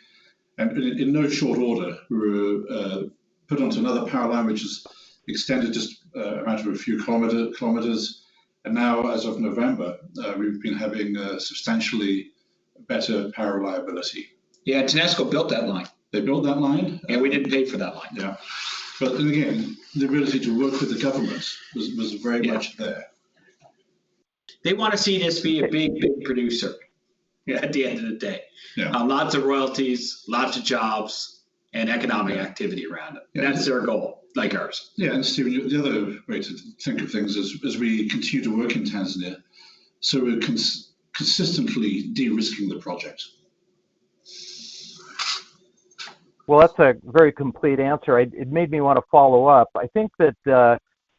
And in no short order, we were put onto another power line, which is extended just a matter of a few kilometers. And now, as of November, we've been having substantially better power reliability. Yeah, TANESCO built that line. They built that line? We didn't pay for that line. Yeah. But then again, the ability to work with the government was very much there. Yeah. They want to see this be a big, big producer, yeah, at the end of the day. Yeah. Lots of royalties, lots of jobs, and economic activity around it. Yeah. That's their goal, like ours. Yeah, and Stephen, the other way to think of things as we continue to work in Tanzania, so we're consistently de-risking the project. Well, that's a very complete answer. It made me want to follow up. I think that,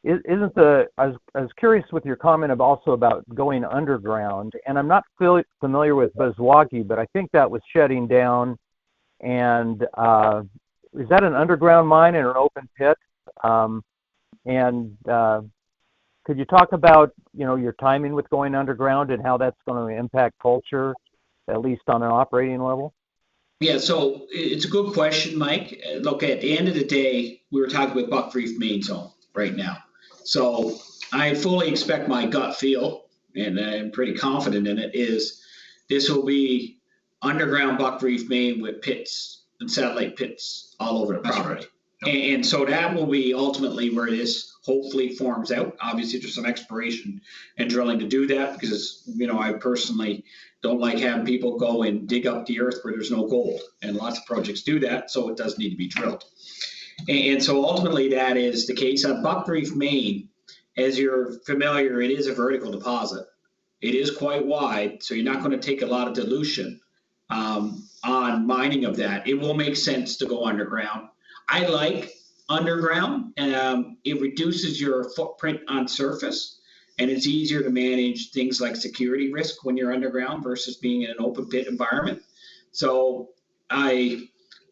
isn't the... I was curious with your comment of also about going underground, and I'm not fully familiar with Buzwagi, but I think that was shutting down and, is that an underground mine or an open pit? And, could you talk about, you know, your timing with going underground and how that's gonna impact culture, at least on an operating level? Yeah, so it's a good question, Mike. Look, at the end of the day, we're talking about Buckreef Main Zone right now. So I fully expect my gut feel, and I'm pretty confident in it, is this will be underground Buckreef Main with pits and satellite pits all over the property. That's right. And so that will be ultimately where this hopefully forms out. Obviously, there's some exploration and drilling to do that, because, you know, I personally don't like having people go and dig up the earth where there's no gold, and lots of projects do that, so it does need to be drilled. And so ultimately, that is the case on Buck Reef Main, as you're familiar, it is a vertical deposit. It is quite wide, so you're not gonna take a lot of dilution on mining of that. It will make sense to go underground. I like underground, and it reduces your footprint on surface, and it's easier to manage things like security risk when you're underground versus being in an open pit environment. So I,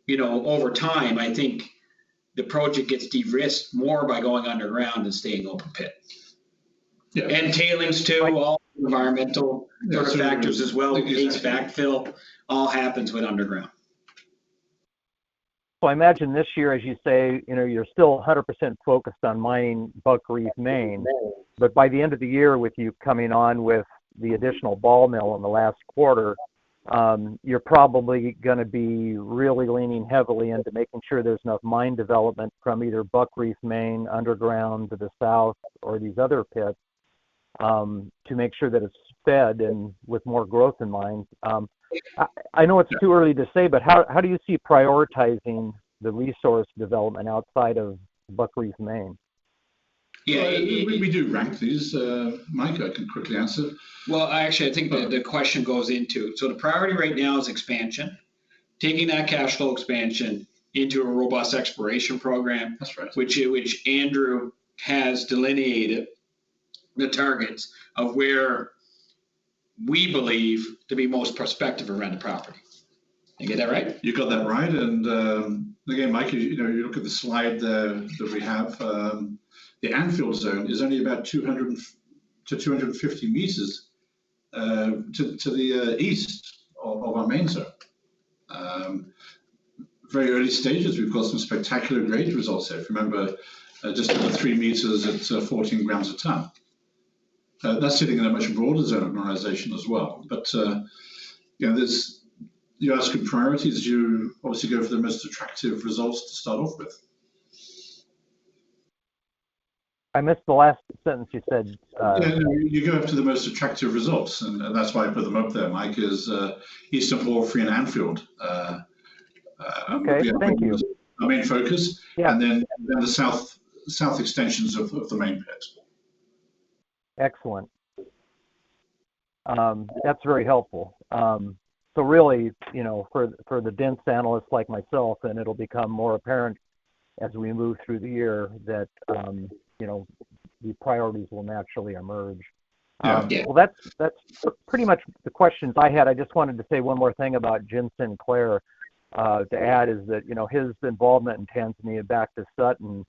you know, over time, I think the project gets de-risked more by going underground than staying open pit. Yeah. Tailings too, all environmental factors as well, gates, backfill, all happens with underground. Well, I imagine this year, as you say, you know, you're still 100% focused on mining Buckreef Main. But by the end of the year, with you coming on with the additional ball mill in the last quarter, you're probably gonna be really leaning heavily into making sure there's enough mine development from either Buckreef Main, underground to the south or these other pits, to make sure that it's fed and with more growth in mind. I know it's too early to say, but how do you see prioritizing the resource development outside of Buckreef Main? Yeah, we do rank these, Mike. I can quickly answer. Well, I actually, I think the question goes into... So the priority right now is expansion, taking that cash flow expansion into a robust exploration program- That's right... which Andrew has delineated the targets of where we believe to be most prospective around the property. Did I get that right? You got that right. And, again, Mike, you know, you look at the slide that we have, the Anfield Zone is only about 200-250 meters to the east of our Main Zone. Very early stages, we've got some spectacular grade results there. If you remember, just over 3 meters at 14 grams a ton. That's sitting in a much broader zone of mineralization as well. But, you know, you're asking priorities, you obviously go for the most attractive results to start off with. I missed the last sentence you said. You go after the most attractive results, and that's why I put them up there, Mike, is Eastern Porphyry and Anfield- Okay. Thank you. Our main focus. Yeah. And then the south extensions of the main pits. Excellent. That's very helpful. So really, you know, for the dense analysts like myself, and it'll become more apparent as we move through the year, that you know, the priorities will naturally emerge. Um, yeah. Well, that's pretty much the questions I had. I just wanted to say one more thing about Jim Sinclair, to add is that, you know, his involvement in Tanzania back to Sutton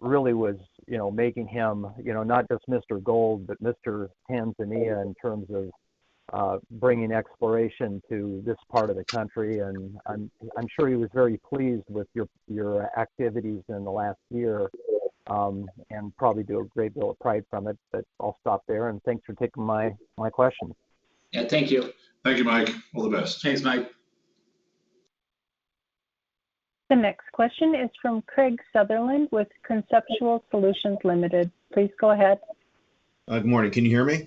really was, you know, making him, you know, not just Mr. Gold, but Mr. Tanzania in terms of bringing exploration to this part of the country. And I'm sure he was very pleased with your activities in the last year, and probably do a great deal of pride from it. But I'll stop there, and thanks for taking my questions. Yeah, thank you. Thank you, Mike. All the best. Thanks, Mike. The next question is from Craig Sutherland with Conceptual Solutions Limited. Please go ahead. Good morning. Can you hear me?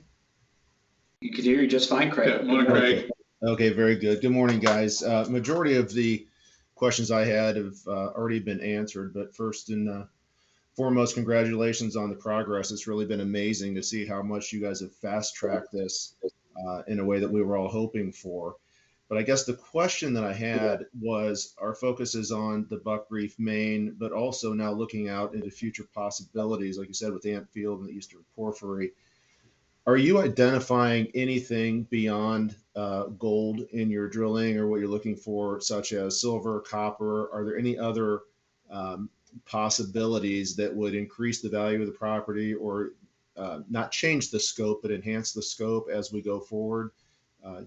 We can hear you just fine, Craig. Good morning, Craig. Okay, very good. Good morning, guys. Majority of the questions I had have already been answered, but first and foremost, congratulations on the progress. It's really been amazing to see how much you guys have fast-tracked this, in a way that we were all hoping for. But I guess the question that I had was, our focus is on the Buckreef Main, but also now looking out into future possibilities, like you said, with Anfield and the Eastern Porphyry. Are you identifying anything beyond gold in your drilling or what you're looking for, such as silver, copper? Are there any other possibilities that would increase the value of the property or not change the scope, but enhance the scope as we go forward,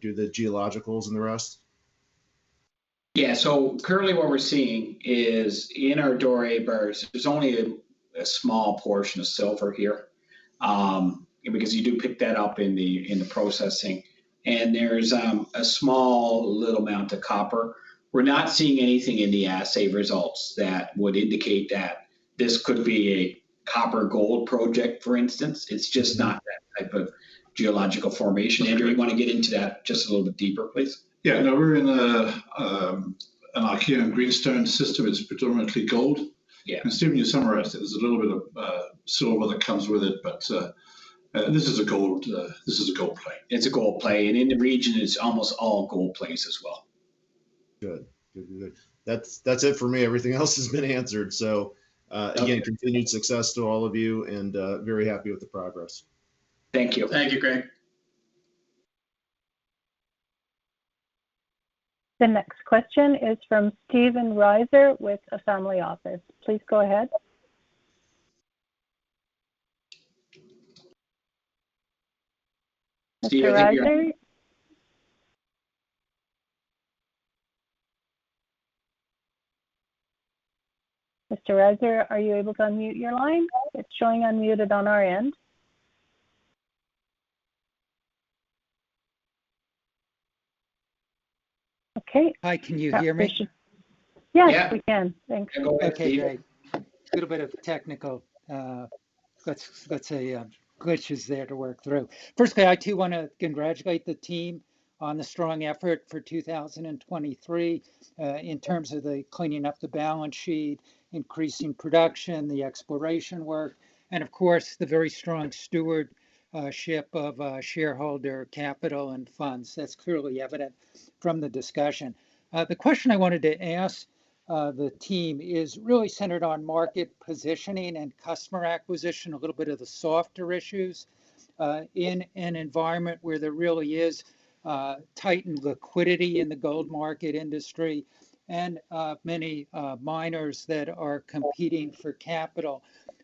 do the geologicals and the rest? Yeah. So currently what we're seeing is in our Doré bars, there's only a, a small portion of silver here, because you do pick that up in the, in the processing, and there's, a small, little amount of copper. We're not seeing anything in the assay results that would indicate that this could be a copper-gold project, for instance. It's just not that type of geological formation. Andrew, you want to get into that just a little bit deeper, please? Yeah. No, we're in a, an Archean greenstone system. It's predominantly gold. Yeah. Stephen, you summarized it. There's a little bit of silver that comes with it, but this is a gold play. It's a gold play, and in the region, it's almost all gold plays as well. Good. Good, good, good. That's, that's it for me. Everything else has been answered. So, Yeah... again, continued success to all of you, and very happy with the progress. Thank you. Thank you, Craig. The next question is from Stephen Reiser with a family office. Please go ahead. Stephen Reiser? Stephen, are you- Mr. Reiser, are you able to unmute your line? It's showing unmuted on our end. Okay. Hi, can you hear me? Yes, we can. Yeah. Thanks. Go ahead, Steve.... A little bit of technical, let's say, glitches there to work through. Firstly, I, too, wanna congratulate the team on the strong effort for 2023, in terms of the cleaning up the balance sheet, increasing production, the exploration work, and of course, the very strong stewardship of shareholder capital and funds. That's clearly evident from the discussion. The question I wanted to ask the team is really centered on market positioning and customer acquisition, a little bit of the softer issues, in an environment where there really is tightened liquidity in the gold market industry and many miners that are competing for capital.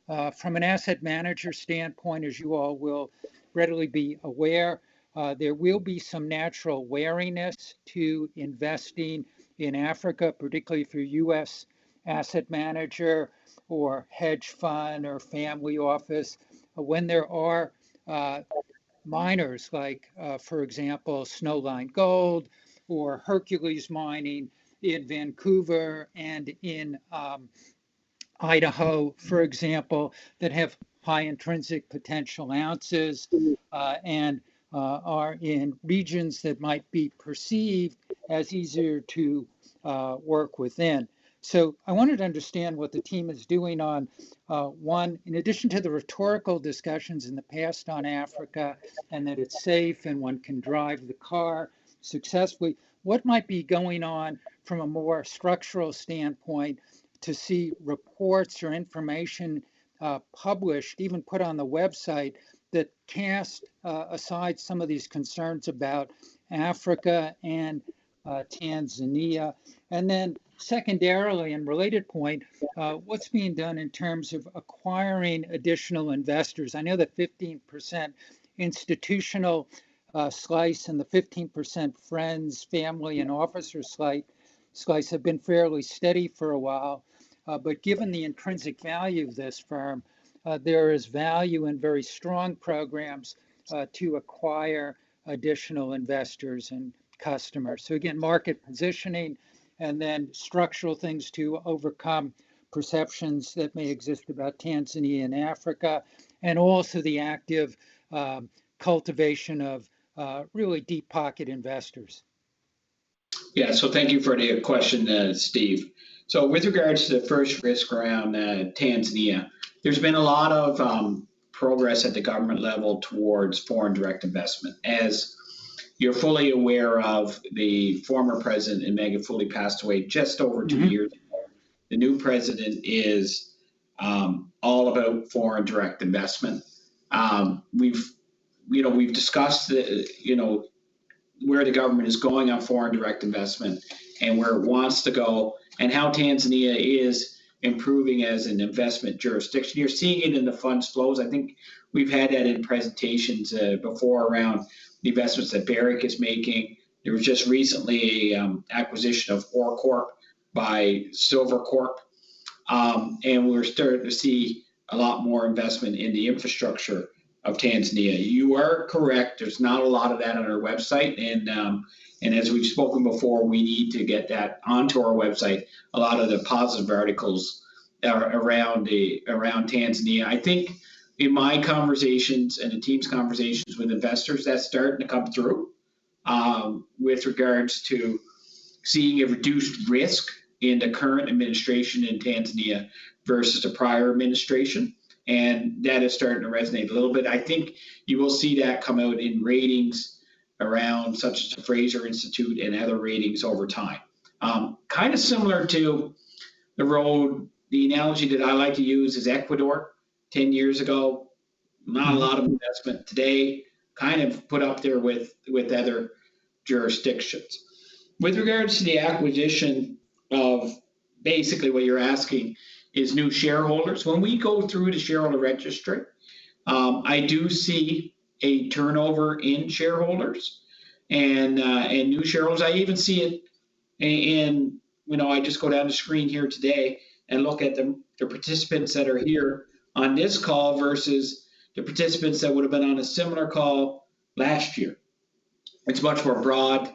From an asset manager standpoint, as you all will readily be aware, there will be some natural wariness to investing in Africa, particularly if you're a U.S. asset manager or hedge fund or family office, when there are, miners, like, for example, Snowline Gold or Hercules Silver in Vancouver and in, Idaho, for example, that have high intrinsic potential ounces, and, are in regions that might be perceived as easier to, work within. So I wanted to understand what the team is doing on one, in addition to the rhetorical discussions in the past on Africa, and that it's safe and one can drive the car successfully, what might be going on from a more structural standpoint to see reports or information published, even put on the website, that cast aside some of these concerns about Africa and Tanzania? And then secondarily, and related point, what's being done in terms of acquiring additional investors? I know that 15% institutional slice and the 15% friends, family, and officer slice have been fairly steady for a while, but given the intrinsic value of this firm, there is value in very strong programs to acquire additional investors and customers. So again, market positioning and then structural things to overcome perceptions that may exist about Tanzania and Africa, and also the active cultivation of really deep-pocket investors. Yeah, so thank you for the question, Steve. So with regards to the first risk around Tanzania, there's been a lot of progress at the government level toward foreign direct investment. As you're fully aware of, the former president, Magufuli, passed away just over two years ago. Mm-hmm. The new president is all about foreign direct investment. We've, you know, we've discussed the, you know, where the government is going on foreign direct investment and where it wants to go, and how Tanzania is improving as an investment jurisdiction. You're seeing it in the funds flows. I think we've had that in presentations before around the investments that Barrick is making. There was just recently a acquisition of OreCorp by Silvercorp. And we're starting to see a lot more investment in the infrastructure of Tanzania. You are correct, there's not a lot of that on our website, and, and as we've spoken before, we need to get that onto our website. A lot of the positive articles are around the, around Tanzania. I think in my conversations and the team's conversations with investors, that's starting to come through, with regards to seeing a reduced risk in the current administration in Tanzania versus the prior administration, and that is starting to resonate a little bit. I think you will see that come out in ratings around, such as the Fraser Institute and other ratings over time. Kinda similar. The analogy that I like to use is Ecuador 10 years ago, not a lot of investment. Today, kind of put up there with, with other jurisdictions. With regards to the acquisition of, basically what you're asking, is new shareholders. When we go through the shareholder registry, I do see a turnover in shareholders and, and new shareholders. I even see it in, you know... I just go down the screen here today and look at the participants that are here on this call versus the participants that would've been on a similar call last year. It's much more broad,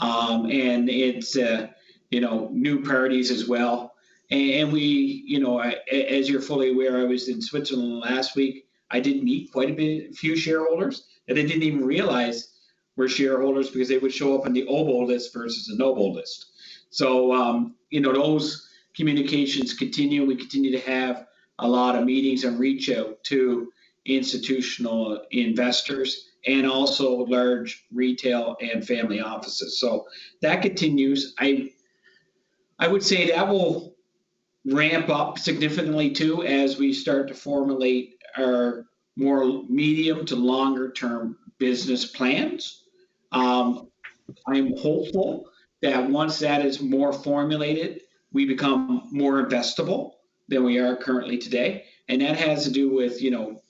and it's, you know, new priorities as well. And we, you know, as you're fully aware, I was in Switzerland last week. I did meet quite a few shareholders, and they didn't even realize we're shareholders because they would show up on the old list versus the new list. So, you know, those communications continue. We continue to have a lot of meetings and reach out to institutional investors and also large retail and family offices. So that continues. I would say that will ramp up significantly, too, as we start to formulate our more medium to longer-term business plans. I'm hopeful that once that is more formulated, we become more investable than we are currently today, and that has to do with, you know,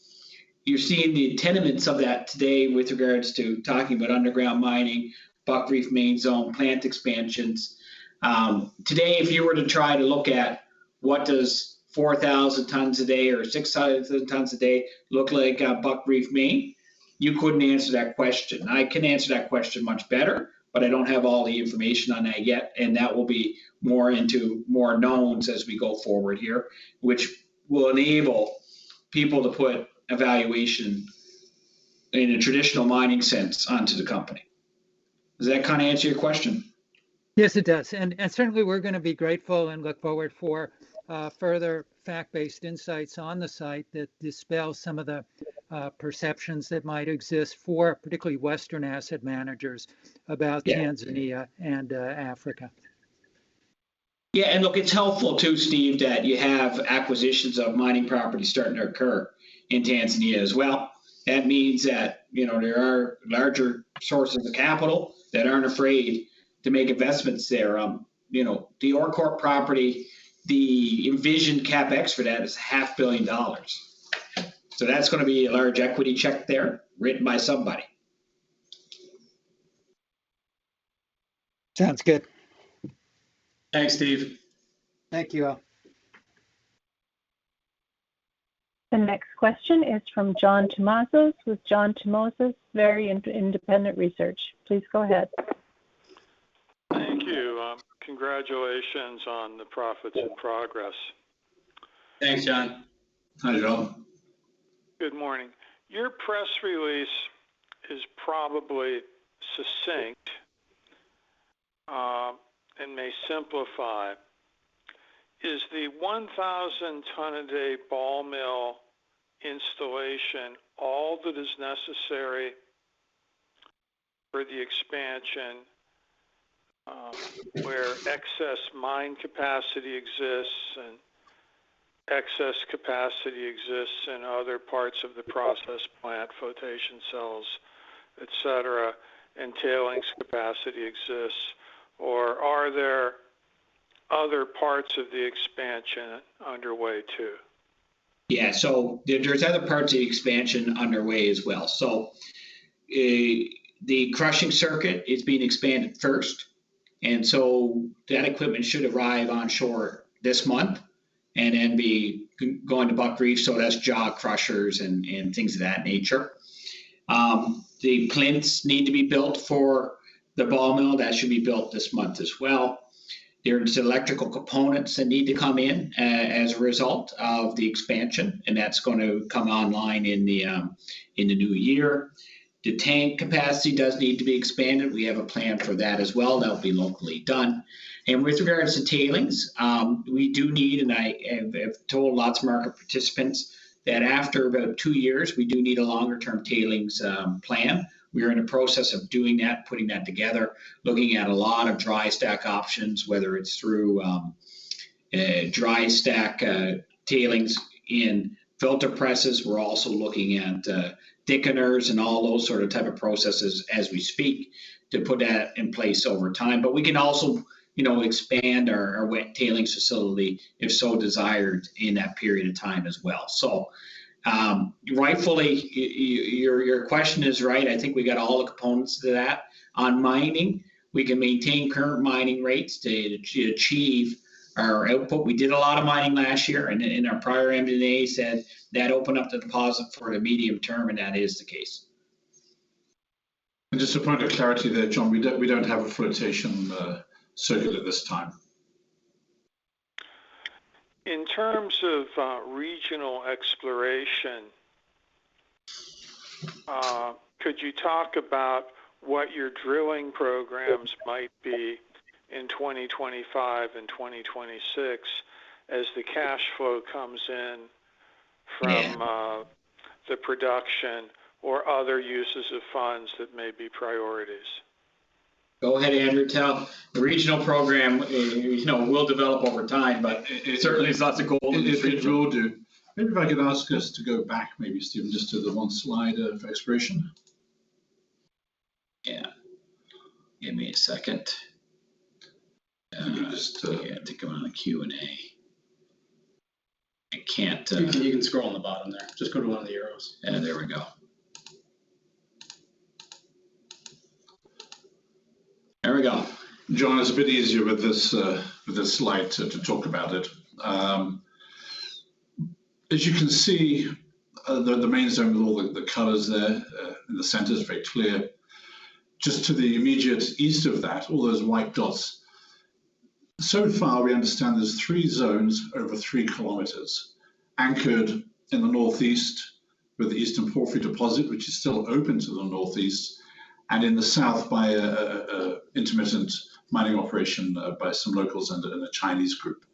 you're seeing the tenets of that today with regards to talking about underground mining, Buckreef Main Zone, plant expansions. Today, if you were to try to look at what does 4,000 tons a day or 6,000 tons a day look like at Buckreef Main?... you couldn't answer that question. I can answer that question much better, but I don't have all the information on that yet, and that will be more into more knowns as we go forward here, which will enable people to put a valuation in a traditional mining sense onto the company. Does that kinda answer your question? Yes, it does. And certainly we're gonna be grateful and look forward for further fact-based insights on the site that dispel some of the perceptions that might exist for particularly Western asset managers about- Yeah - Tanzania and Africa. Yeah, and look, it's helpful too, Steve, that you have acquisitions of mining properties starting to occur in Tanzania as well. That means that, you know, there are larger sources of capital that aren't afraid to make investments there. You know, the OreCorp property, the envisioned CapEx for that is $500 million. So that's gonna be a large equity check there written by somebody. Sounds good. Thanks, Steve. Thank you all. The next question is from John Tumazos with John Tumazos Very Independent Research. Please go ahead. Thank you. Congratulations on the profits and progress. Thanks, John. Not at all. Good morning. Your press release is probably succinct, and may simplify. Is the 1,000 ton a day ball mill installation all that is necessary for the expansion, where excess mine capacity exists, and excess capacity exists in other parts of the process plant, flotation cells, et cetera, and tailings capacity exists, or are there other parts of the expansion underway, too? Yeah, so there, there's other parts of the expansion underway as well. So, the crushing circuit is being expanded first, and so that equipment should arrive on shore this month and then be going to Buckreef, so that's jaw crushers and things of that nature. The plinth needs to be built for the ball mill. That should be built this month as well. There's electrical components that need to come in, as a result of the expansion, and that's going to come online in the new year. The tank capacity does need to be expanded. We have a plan for that as well. That'll be locally done. And with regards to tailings, we do need, and I have, I've told lots of market participants, that after about two years, we do need a longer-term tailings plan. We are in the process of doing that, putting that together, looking at a lot of dry stack options, whether it's through dry stack tailings in filter presses. We're also looking at thickeners and all those sort of type of processes as we speak, to put that in place over time. But we can also, you know, expand our wet tailings facility, if so desired, in that period of time as well. So, rightfully, your question is right. I think we got all the components to that. On mining, we can maintain current mining rates to achieve our output. We did a lot of mining last year, and in our prior NI 43-101 said that opened up the deposit for the medium term, and that is the case. Just a point of clarity there, John, we don't, we don't have a flotation circuit at this time. In terms of, regional exploration, could you talk about what your drilling programs might be in 2025 and 2026, as the cash flow comes in from- Yeah... the production or other uses of funds that may be priorities? Go ahead, Andrew. The regional program, you know, will develop over time, but certainly there's lots of gold in the region. If you would, maybe if I could ask us to go back, maybe, Stephen, just to the one slide of exploration. Yeah. Give me a second. Just, uh- I have to go on the Q&A. I can't, You can, you can scroll on the bottom there. Just go to one of the arrows. Yeah, there we go. There we go. John, it's a bit easier with this slide to talk about it. As you can see, the Main Zone with all the colors there in the center is very clear. Just to the immediate east of that, all those white dots. So far, we understand there's 3 zones over 3 kilometers, anchored in the northeast, with the Eastern Porphyry deposit, which is still open to the northeast, and in the south by an intermittent mining operation by some locals and a Chinese group.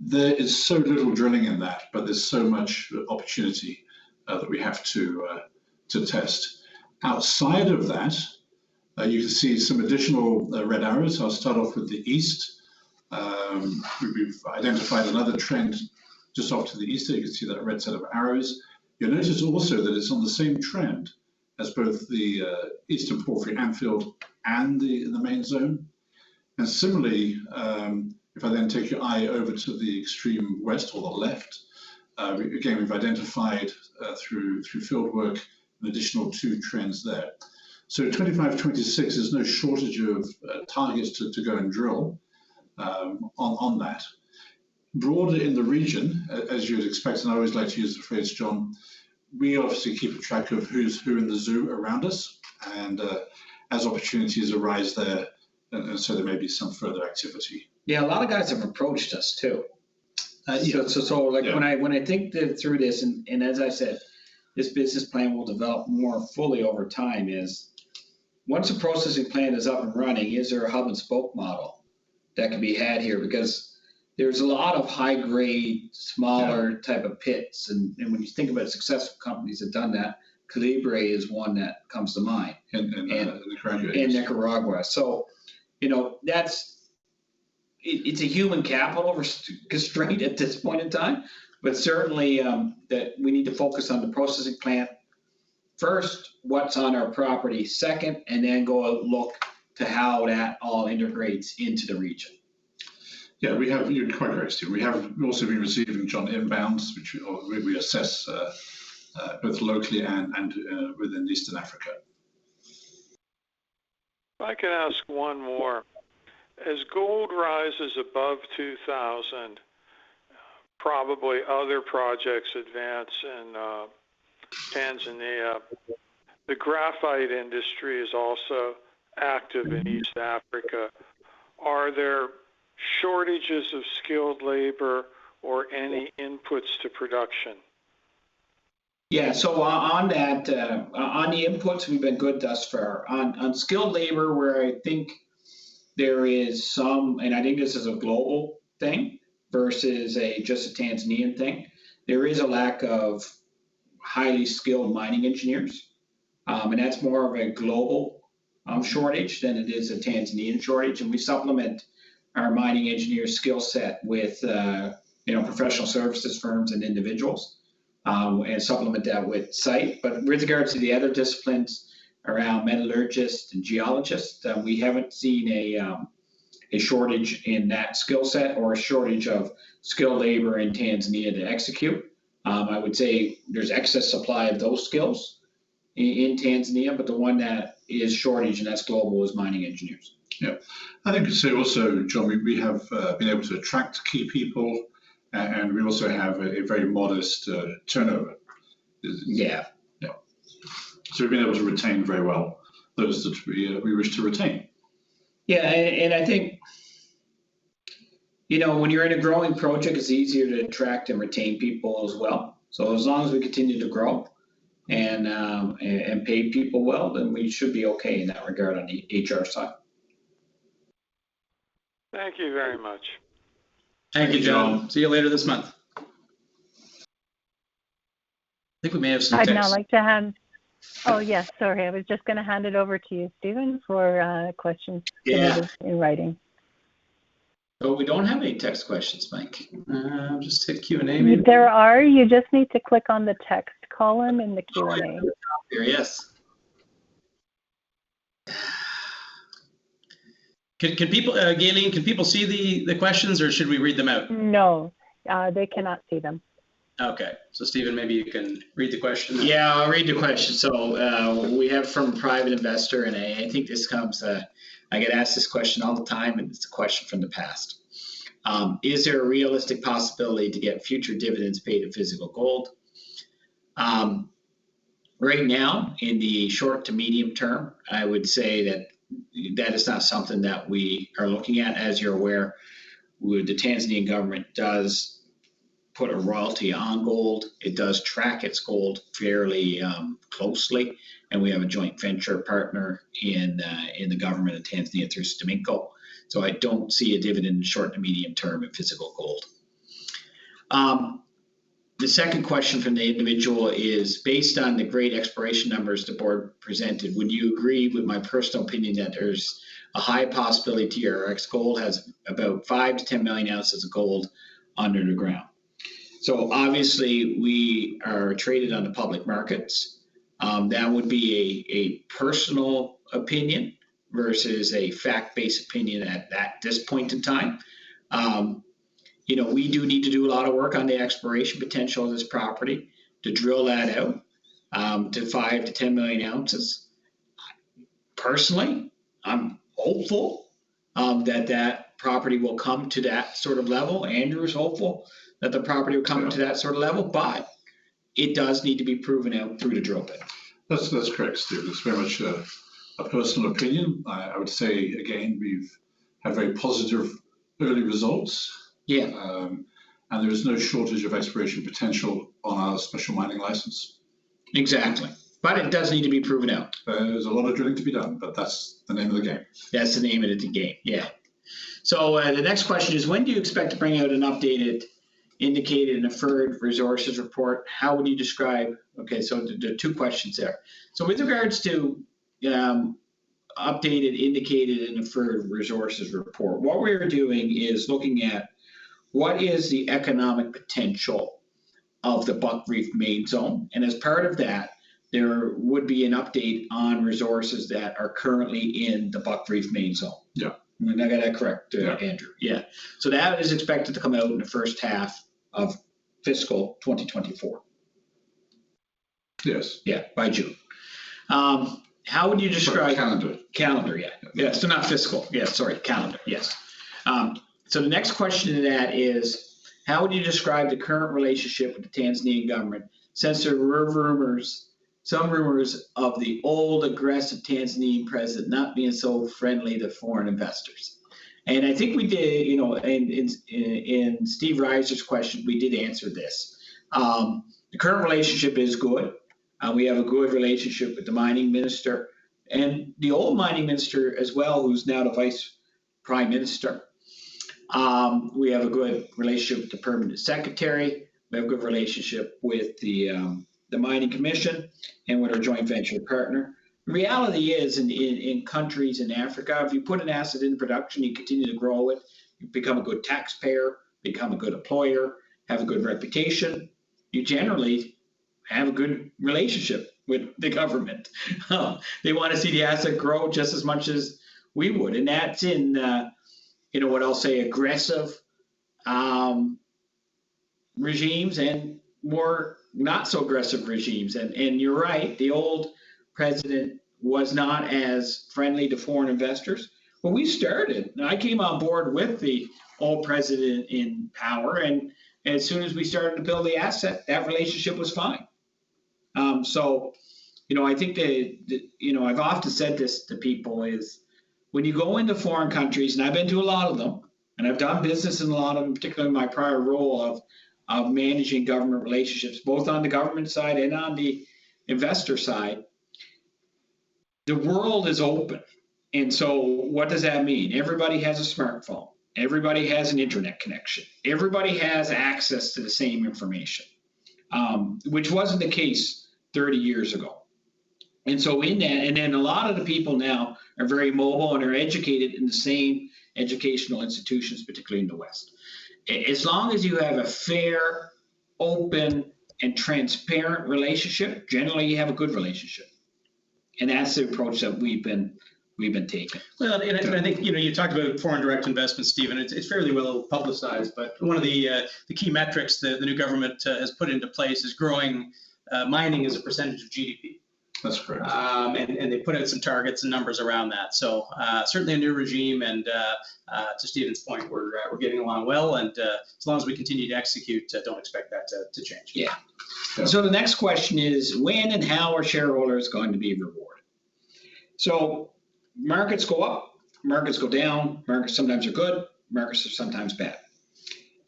There is so little drilling in that, but there's so much opportunity that we have to test. Outside of that, you can see some additional red arrows. I'll start off with the east. We've identified another trend just off to the east. There you can see that red set of arrows. You'll notice also that it's on the same trend as both the Eastern Porphyry, Anfield, and the Main Zone. And similarly, if I then take your eye over to the extreme west or the left, again, we've identified through field work an additional two trends there. So 25, 26, there's no shortage of targets to go and drill on that.... broadly in the region, as you would expect, and I always like to use the phrase, John, we obviously keeping track of who's who in the zoo around us, and as opportunities arise there, and so there may be some further activity. Yeah, a lot of guys have approached us, too. You know, so like- Yeah... when I think through this, and as I said, this business plan will develop more fully over time, is once the processing plant is up and running, is there a hub and spoke model that can be had here? Because there's a lot of high-grade, smaller- Yeah... type of pits. And when you think about successful companies that done that, Calibre is one that comes to mind, and... And the graphite... in Nicaragua. So, you know, that's it, it's a human capital resource constraint at this point in time, but certainly that we need to focus on the processing plant first, what's on our property second, and then go and look to how that all integrates into the region. Yeah, we have, you're quite right, Stephen. We have also been receiving, John, inbounds, which we assess both locally and within Eastern Africa. If I could ask one more. As gold rises above $2000, probably other projects advance in Tanzania. The graphite industry is also active in East Africa. Are there shortages of skilled labor or any inputs to production? Yeah, so on, on that, on the inputs, we've been good thus far. On, on skilled labor, where I think there is some, and I think this is a global thing versus a just Tanzanian thing, there is a lack of highly skilled mining engineers. And that's more of a global shortage than it is a Tanzanian shortage, and we supplement our mining engineer skill set with, you know, professional services firms and individuals, and supplement that with site. But with regards to the other disciplines around metallurgists and geologists, we haven't seen a shortage in that skill set or a shortage of skilled labor in Tanzania to execute. I would say there's excess supply of those skills in Tanzania, but the one that is shortage, and that's global, is mining engineers. Yeah. I think to say also, John, we have been able to attract key people, and we also have a very modest turnover. Is- Yeah. Yeah. So we've been able to retain very well those that we wish to retain. Yeah, and I think, you know, when you're in a growing project, it's easier to attract and retain people as well. So as long as we continue to grow and pay people well, then we should be okay in that regard on the HR side. Thank you very much. Thank you. Thank you, John. See you later this month. I think we may have some text— I'd now like to hand... Oh, yes, sorry. I was just gonna hand it over to you, Stephen, for questions in writing. So we don't have any text questions, Mike. I'll just hit Q&A maybe. There are. You just need to click on the text column in the Q&A. Right at the top here, yes. Can people, Gaylene, can people see the questions, or should we read them out? No, they cannot see them. Okay, so Stephen, maybe you can read the question. Yeah, I'll read the question. So, we have from a private investor, and I think this comes. I get asked this question all the time, and it's a question from the past. Is there a realistic possibility to get future dividends paid in physical gold? Right now, in the short to medium term, I would say that that is not something that we are looking at. As you're aware, we, the Tanzanian government does put a royalty on gold. It does track its gold fairly closely, and we have a joint venture partner in the government of Tanzania through STAMICO. So I don't see a dividend in short to medium term in physical gold. The second question from the individual is, based on the great exploration numbers the board presented, would you agree with my personal opinion that there's a high possibility TRX Gold has about 5-10 million ounces of gold under the ground? So obviously, we are traded on the public markets. That would be a personal opinion versus a fact-based opinion at this point in time. You know, we do need to do a lot of work on the exploration potential of this property to drill that out to 5-10 million ounces. Personally, I'm hopeful that that property will come to that sort of level. Andrew is hopeful that the property will come- Yeah... to that sort of level, but it does need to be proven out through the drill bit. That's correct, Stephen. It's very much a personal opinion. I would say again, we've had very positive early results. Yeah. There is no shortage of exploration potential on our Special Mining License. Exactly, but it does need to be proven out. There's a lot of drilling to be done, but that's the name of the game. That's the name of the game, yeah. Yeah. So, the next question is, when do you expect to bring out an updated Indicated and Inferred Resources report? How would you describe... Okay, so there are two questions there. So with regards to updated Indicated and Inferred Resources report, what we're doing is looking at what is the economic potential of the Buckreef Main Zone, and as part of that, there would be an update on resources that are currently in the Buckreef Main Zone. Yeah. Have I got that correct? Yeah... Andrew? Yeah. So that is expected to come out in the first half of fiscal 2024.... Yes. Yeah, by June. How would you describe- Sorry, calendar. Calendar, yeah. Yeah, so not fiscal. Yeah, sorry, calendar. Yes. So the next question to that is: how would you describe the current relationship with the Tanzanian government? Since there were rumors, some rumors of the old aggressive Tanzanian president not being so friendly to foreign investors. And I think we did, you know, and in Stephen Reiser's question, we did answer this. The current relationship is good. We have a good relationship with the mining minister and the old mining minister as well, who's now the vice prime minister. We have a good relationship with the permanent secretary. We have a good relationship with the Mining Commission and with our joint venture partner. The reality is, in countries in Africa, if you put an asset into production, you continue to grow it, you become a good taxpayer, become a good employer, have a good reputation, you generally have a good relationship with the government. They wanna see the asset grow just as much as we would, and that's in, you know what I'll say, aggressive regimes and more not so aggressive regimes. You're right, the old president was not as friendly to foreign investors. When we started, and I came on board with the old president in power, and as soon as we started to build the asset, that relationship was fine. So, you know, I think they... You know, I've often said this to people, is when you go into foreign countries, and I've been to a lot of them, and I've done business in a lot of them, particularly in my prior role of managing government relationships, both on the government side and on the investor side, the world is open. And so what does that mean? Everybody has a smartphone, everybody has an internet connection, everybody has access to the same information, which wasn't the case 30 years ago. And so in that, and then a lot of the people now are very mobile and are educated in the same educational institutions, particularly in the West. As long as you have a fair, open, and transparent relationship, generally you have a good relationship, and that's the approach that we've been, we've been taking. Well, I think, you know, you talked about foreign direct investment, Stephen. It's fairly well-publicized, but one of the key metrics the new government has put into place is growing mining as a percentage of GDP. That's correct. They put in some targets and numbers around that. Certainly a new regime, and to Stephen's point, we're getting along well, and as long as we continue to execute, don't expect that to change. Yeah. So the next question is: when and how are shareholders going to be rewarded? So markets go up, markets go down, markets sometimes are good, markets are sometimes bad.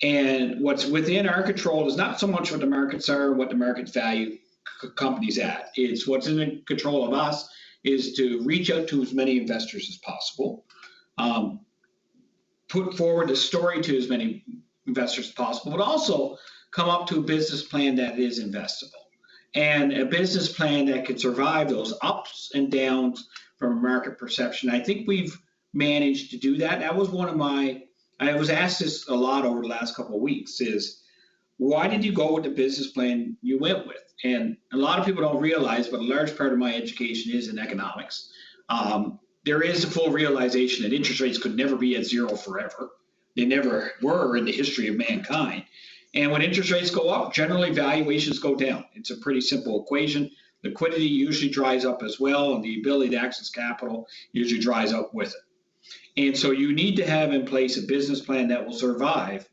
And what's within our control is not so much what the markets are, what the markets value companies at. It's what's in the control of us is to reach out to as many investors as possible, put forward a story to as many investors as possible, but also come up to a business plan that is investable, and a business plan that could survive those ups and downs from a market perception. I think we've managed to do that. That was one of my... I was asked this a lot over the last couple of weeks, is: why did you go with the business plan you went with? A lot of people don't realize, but a large part of my education is in economics. There is a full realization that interest rates could never be at zero forever. They never were in the history of mankind. When interest rates go up, generally valuations go down. It's a pretty simple equation. Liquidity usually dries up as well, and the ability to access capital usually dries up with it. So you need to have in place a business plan that will survive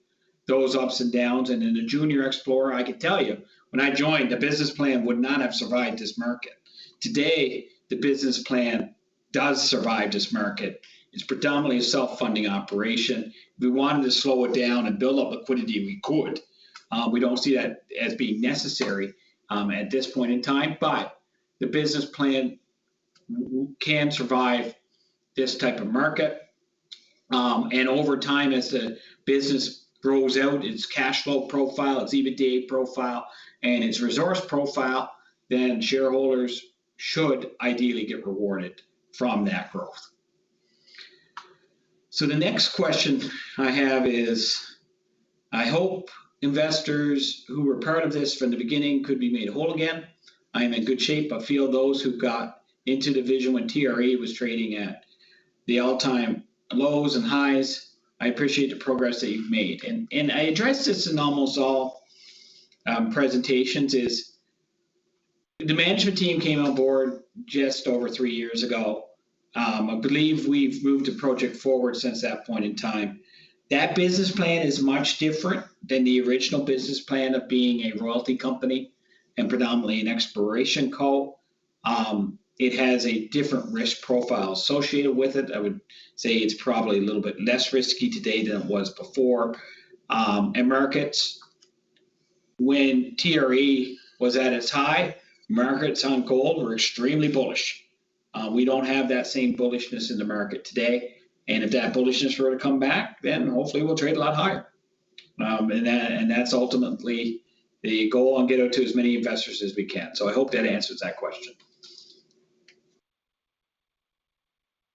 those ups and downs. In a junior explorer, I can tell you, when I joined, the business plan would not have survived this market. Today, the business plan does survive this market. It's predominantly a self-funding operation. We wanted to slow it down and build up liquidity, and we could. We don't see that as being necessary at this point in time, but the business plan can survive this type of market. And over time, as the business grows out, its cash flow profile, its EBITDA profile, and its resource profile, then shareholders should ideally get rewarded from that growth. So the next question I have is: I hope investors who were part of this from the beginning could be made whole again. I am in good shape, but feel those who got into the vision when TRE was trading at the all-time lows and highs. I appreciate the progress that you've made. And I address this in almost all presentations: the management team came on board just over three years ago. I believe we've moved the project forward since that point in time. That business plan is much different than the original business plan of being a royalty company and predominantly an exploration co. It has a different risk profile associated with it. I would say it's probably a little bit less risky today than it was before. And markets, when TRE was at its high, markets on gold were extremely bullish. We don't have that same bullishness in the market today, and if that bullishness were to come back, then hopefully we'll trade a lot higher. And that, and that's ultimately the goal and get out to as many investors as we can. So I hope that answers that question.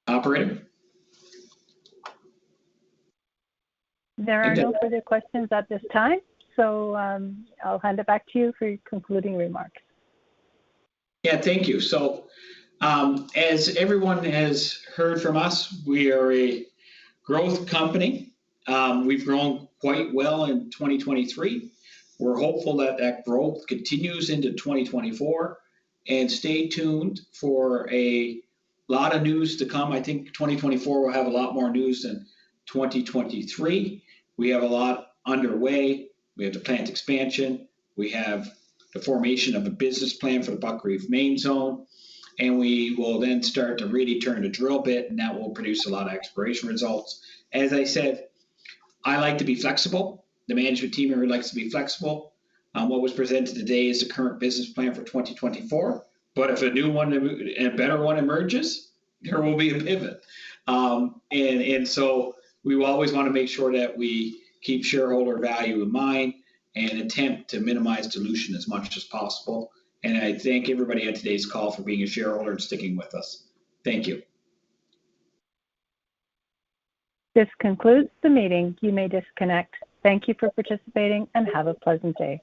Operator? There are no further questions at this time, so, I'll hand it back to you for your concluding remarks. Yeah, thank you. So, as everyone has heard from us, we are a growth company. We've grown quite well in 2023. We're hopeful that that growth continues into 2024. And stay tuned for a lot of news to come. I think 2024 will have a lot more news than 2023. We have a lot underway. We have the plant expansion, we have the formation of a business plan for the Buckreef Main Zone, and we will then start to really turn the drill bit, and that will produce a lot of exploration results. As I said, I like to be flexible. The management team here likes to be flexible. What was presented today is the current business plan for 2024, but if a new one and a better one emerges, there will be a pivot. and so we will always wanna make sure that we keep shareholder value in mind and attempt to minimize dilution as much as possible. I thank everybody on today's call for being a shareholder and sticking with us. Thank you. This concludes the meeting. You may disconnect. Thank you for participating, and have a pleasant day.